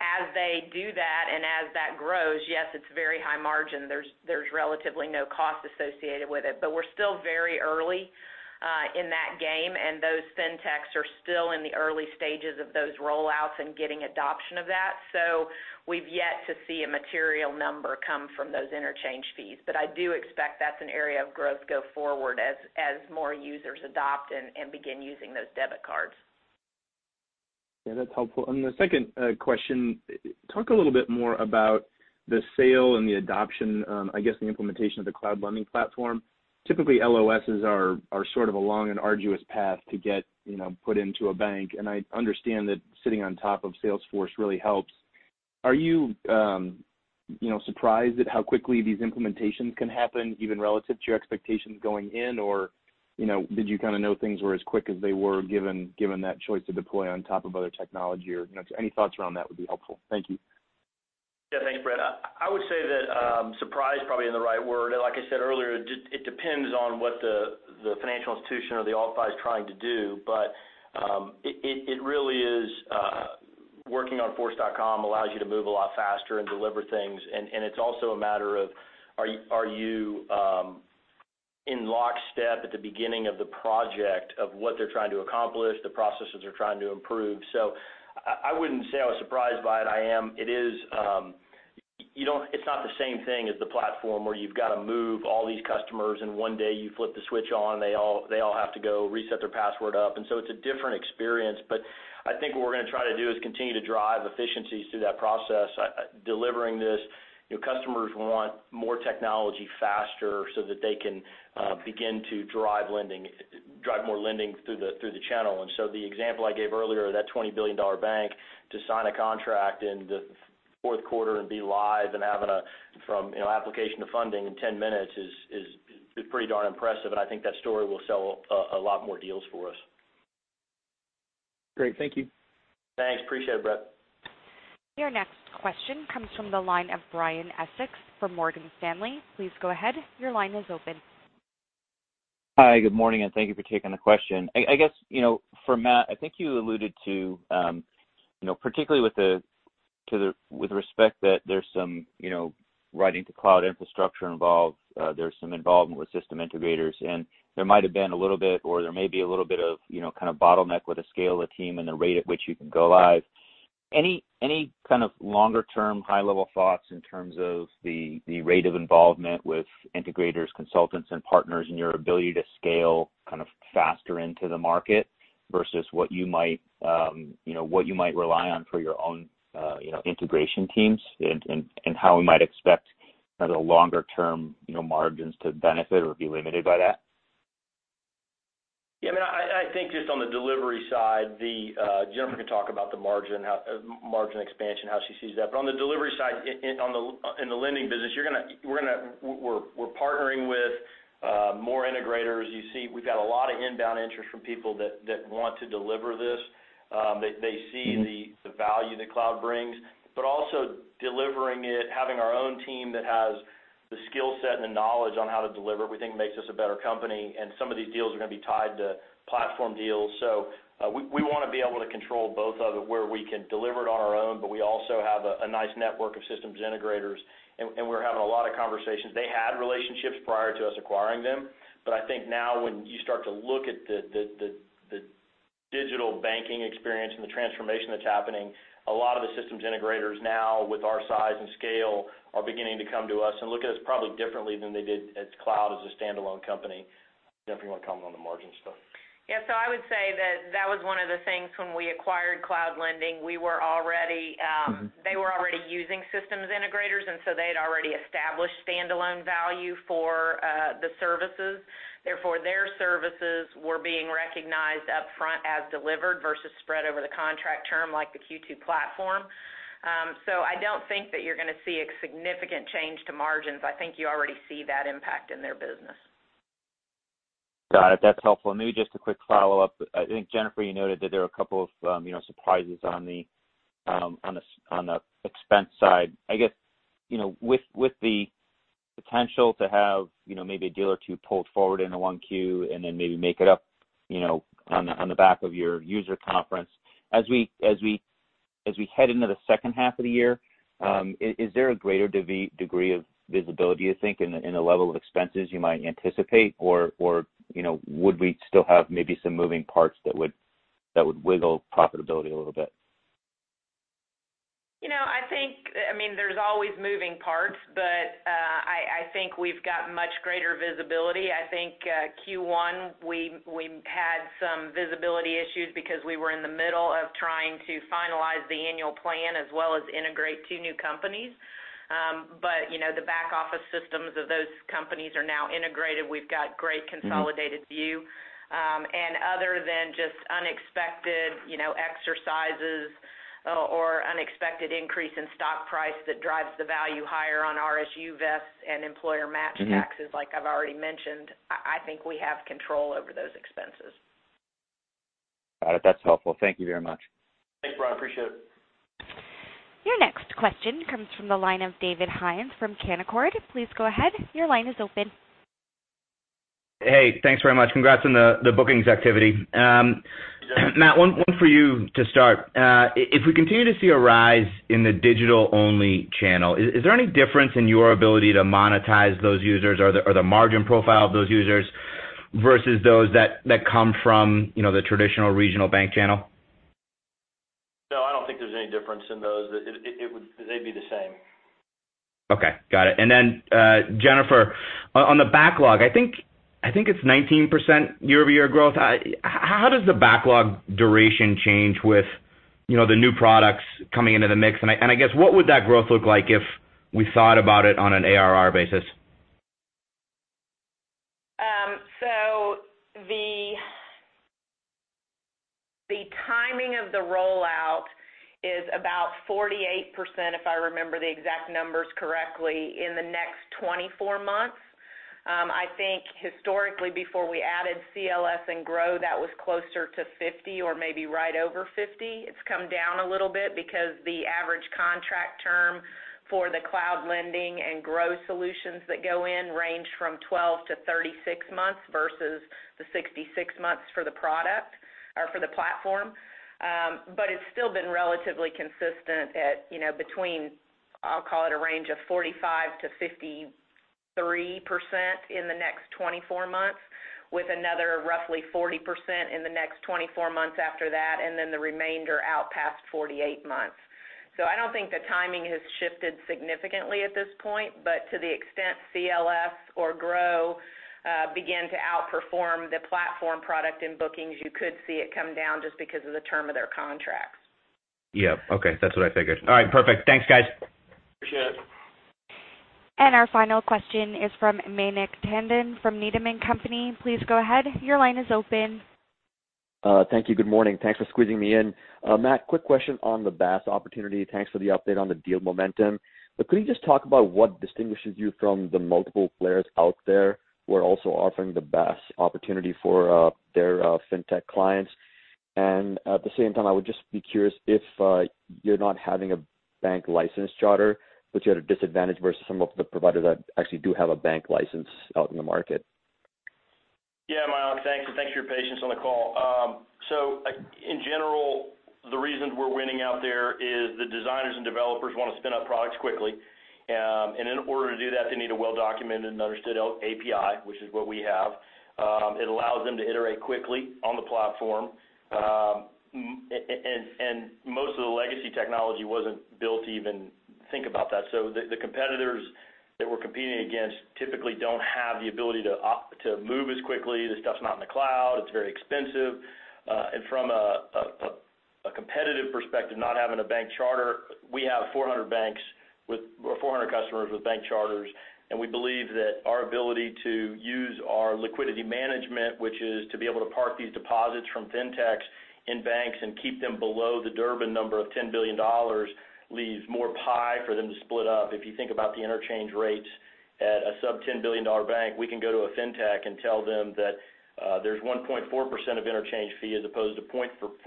As they do that, as that grows, yes, it's very high margin. There's relatively no cost associated with it. We're still very early in that game, and those fintechs are still in the early stages of those rollouts and getting adoption of that. We've yet to see a material number come from those interchange fees. I do expect that's an area of growth go forward as more users adopt and begin using those debit cards. Yeah, that's helpful. The second question, talk a little bit more about the sale and the adoption, I guess, the implementation of the Cloud Lending platform. Typically, LOSs are sort of a long and arduous path to get put into a bank. I understand that sitting on top of Salesforce really helps. Are you surprised at how quickly these implementations can happen, even relative to your expectations going in? Did you kind of know things were as quick as they were given that choice to deploy on top of other technology or any thoughts around that would be helpful. Thank you. Yeah. Thanks, Brett. I would say that surprise probably isn't the right word. Like I said earlier, it depends on what the financial institution or the organization trying to do. It really is working on Force.com allows you to move a lot faster and deliver things. It's also a matter of, are you in lockstep at the beginning of the project of what they're trying to accomplish, the processes they're trying to improve? I wouldn't say I was surprised by it. It's not the same thing as the platform where you've got to move all these customers, and one day you flip the switch on, and they all have to go reset their password up. It's a different experience. I think what we're going to try to do is continue to drive efficiencies through that process, delivering this. Customers want more technology faster so that they can begin to drive more lending through the channel. The example I gave earlier, that $20 billion bank to sign a contract and fourth quarter and be live and having a from application to funding in 10 minutes is pretty darn impressive. I think that story will sell a lot more deals for us. Great. Thank you. Thanks. Appreciate it, Brett. Your next question comes from the line of Brian Essex from Morgan Stanley. Please go ahead. Your line is open. Hi. Good morning, and thank you for taking the question. I guess, for Matt, I think you alluded to, particularly with respect that there's some writing to cloud infrastructure involved, there's some involvement with system integrators, and there might have been a little bit, or there may be a little bit of, kind of bottleneck with the scale of the team and the rate at which you can go live. Any kind of longer-term high-level thoughts in terms of the rate of involvement with integrators, consultants, and partners, and your ability to scale kind of faster into the market versus what you might rely on for your own integration teams? How we might expect the longer-term margins to benefit or be limited by that? Yeah, I think just on the delivery side, Jennifer can talk about the margin expansion, how she sees that. On the delivery side in the lending business, we're partnering with more integrators. You see we've got a lot of inbound interest from people that want to deliver this. They see the value the cloud brings. Also delivering it, having our own team that has the skill set and the knowledge on how to deliver it, we think makes us a better company, and some of these deals are going to be tied to platform deals. We want to be able to control both of it, where we can deliver it on our own, but we also have a nice network of systems integrators, and we're having a lot of conversations. They had relationships prior to us acquiring them. I think now when you start to look at the digital banking experience and the transformation that's happening, a lot of the systems integrators now with our size and scale are beginning to come to us and look at us probably differently than they did as Cloud Lending as a standalone company. Jennifer, you want to comment on the margin stuff? I would say that that was one of the things when we acquired Cloud Lending, they were already using systems integrators, they had already established standalone value for the services. Therefore, their services were being recognized upfront as delivered versus spread over the contract term like the Q2 platform. I don't think that you're going to see a significant change to margins. I think you already see that impact in their business. Got it. That's helpful. Maybe just a quick follow-up. I think, Jennifer, you noted that there were a couple of surprises on the expense side. I guess, with the potential to have maybe a deal or two pulled forward into Q1 and then maybe make it up on the back of your user conference. As we head into the second half of the year, is there a greater degree of visibility, you think, in the level of expenses you might anticipate, or would we still have maybe some moving parts that would wiggle profitability a little bit? I think, there's always moving parts, I think we've got much greater visibility. I think Q1 we had some visibility issues because we were in the middle of trying to finalize the annual plan as well as integrate two new companies. The back office systems of those companies are now integrated. We've got great consolidated view. Other than just unexpected exercises or unexpected increase in stock price that drives the value higher on RSU vests and employer match taxes like I've already mentioned, I think we have control over those expenses. Got it. That's helpful. Thank you very much. Thanks, Brian. Appreciate it. Your next question comes from the line of David Hynes from Canaccord. Please go ahead. Your line is open. Hey, thanks very much. Congrats on the bookings activity. Matt, one for you to start. If we continue to see a rise in the digital-only channel, is there any difference in your ability to monetize those users or the margin profile of those users versus those that come from the traditional regional bank channel? No, I don't think there's any difference in those. They'd be the same. Okay. Got it. Jennifer, on the backlog, I think it's 19% year-over-year growth. How does the backlog duration change with the new products coming into the mix? I guess what would that growth look like if we thought about it on an ARR basis? The timing of the rollout is about 48%, if I remember the exact numbers correctly, in the next 24 months. I think historically before we added CLS and Gro, that was closer to 50 or maybe right over 50. It's come down a little bit because the average contract term for the Cloud Lending and Gro solutions that go in range from 12-36 months versus the 66 months for the product or for the platform. It's still been relatively consistent at between, I'll call it a range of 45%-53% in the next 24 months, with another roughly 40% in the next 24 months after that, and then the remainder out past 48 months. I don't think the timing has shifted significantly at this point, but to the extent CLS or Gro begin to outperform the platform product in bookings, you could see it come down just because of the term of their contracts. Yeah. Okay. That's what I figured. All right, perfect. Thanks, guys. Appreciate it. Our final question is from Mayank Tandon from Needham & Company. Please go ahead. Your line is open. Thank you. Good morning. Thanks for squeezing me in. Matt, quick question on the BaaS opportunity. Thanks for the update on the deal momentum. Could you just talk about what distinguishes you from the multiple players out there who are also offering the BaaS opportunity for their FinTech clients? At the same time, I would just be curious if you not having a bank license charter, puts you at a disadvantage versus some of the providers that actually do have a bank license out in the market. Yeah, Mayank. Thanks, and thanks for your patience on the call. In general, the reason we're winning out there is the designers and developers want to spin up products quickly. In order to do that, they need a well-documented and understood API, which is what we have. It allows them to iterate quickly on the platform. Most of the legacy technology wasn't built to even think about that. The competitors that we're competing against typically don't have the ability to move as quickly. The stuff's not in the cloud. It's very expensive. From a competitive perspective, not having a bank charter, we have 400 customers with bank charters, and we believe that our ability to use our liquidity management, which is to be able to park these deposits from FinTechs in banks and keep them below the Durbin number of $10 billion, leaves more pie for them to split up. If you think about the interchange rates at a sub-$10 billion bank, we can go to a FinTech and tell them that there's 1.4% of interchange fee as opposed to 0.4%.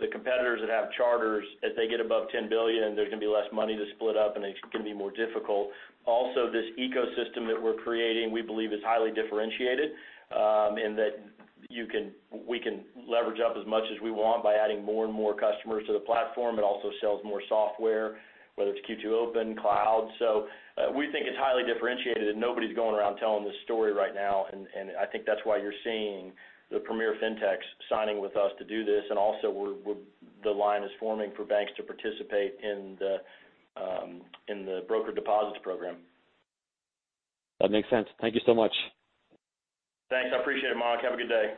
The competitors that have charters, as they get above $10 billion, there's going to be less money to split up, and it's going to be more difficult. Also, this ecosystem that we're creating, we believe is highly differentiated, in that we can leverage up as much as we want by adding more and more customers to the platform. It also sells more software, whether it's Q2 Open, Cloud. We think it's highly differentiated, and nobody's going around telling this story right now. I think that's why you're seeing the premier FinTechs signing with us to do this. Also, the line is forming for banks to participate in the broker deposits program. That makes sense. Thank you so much. Thanks. I appreciate it, Mayank. Have a good day.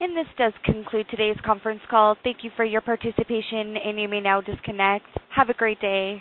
This does conclude today's conference call. Thank you for your participation, and you may now disconnect. Have a great day.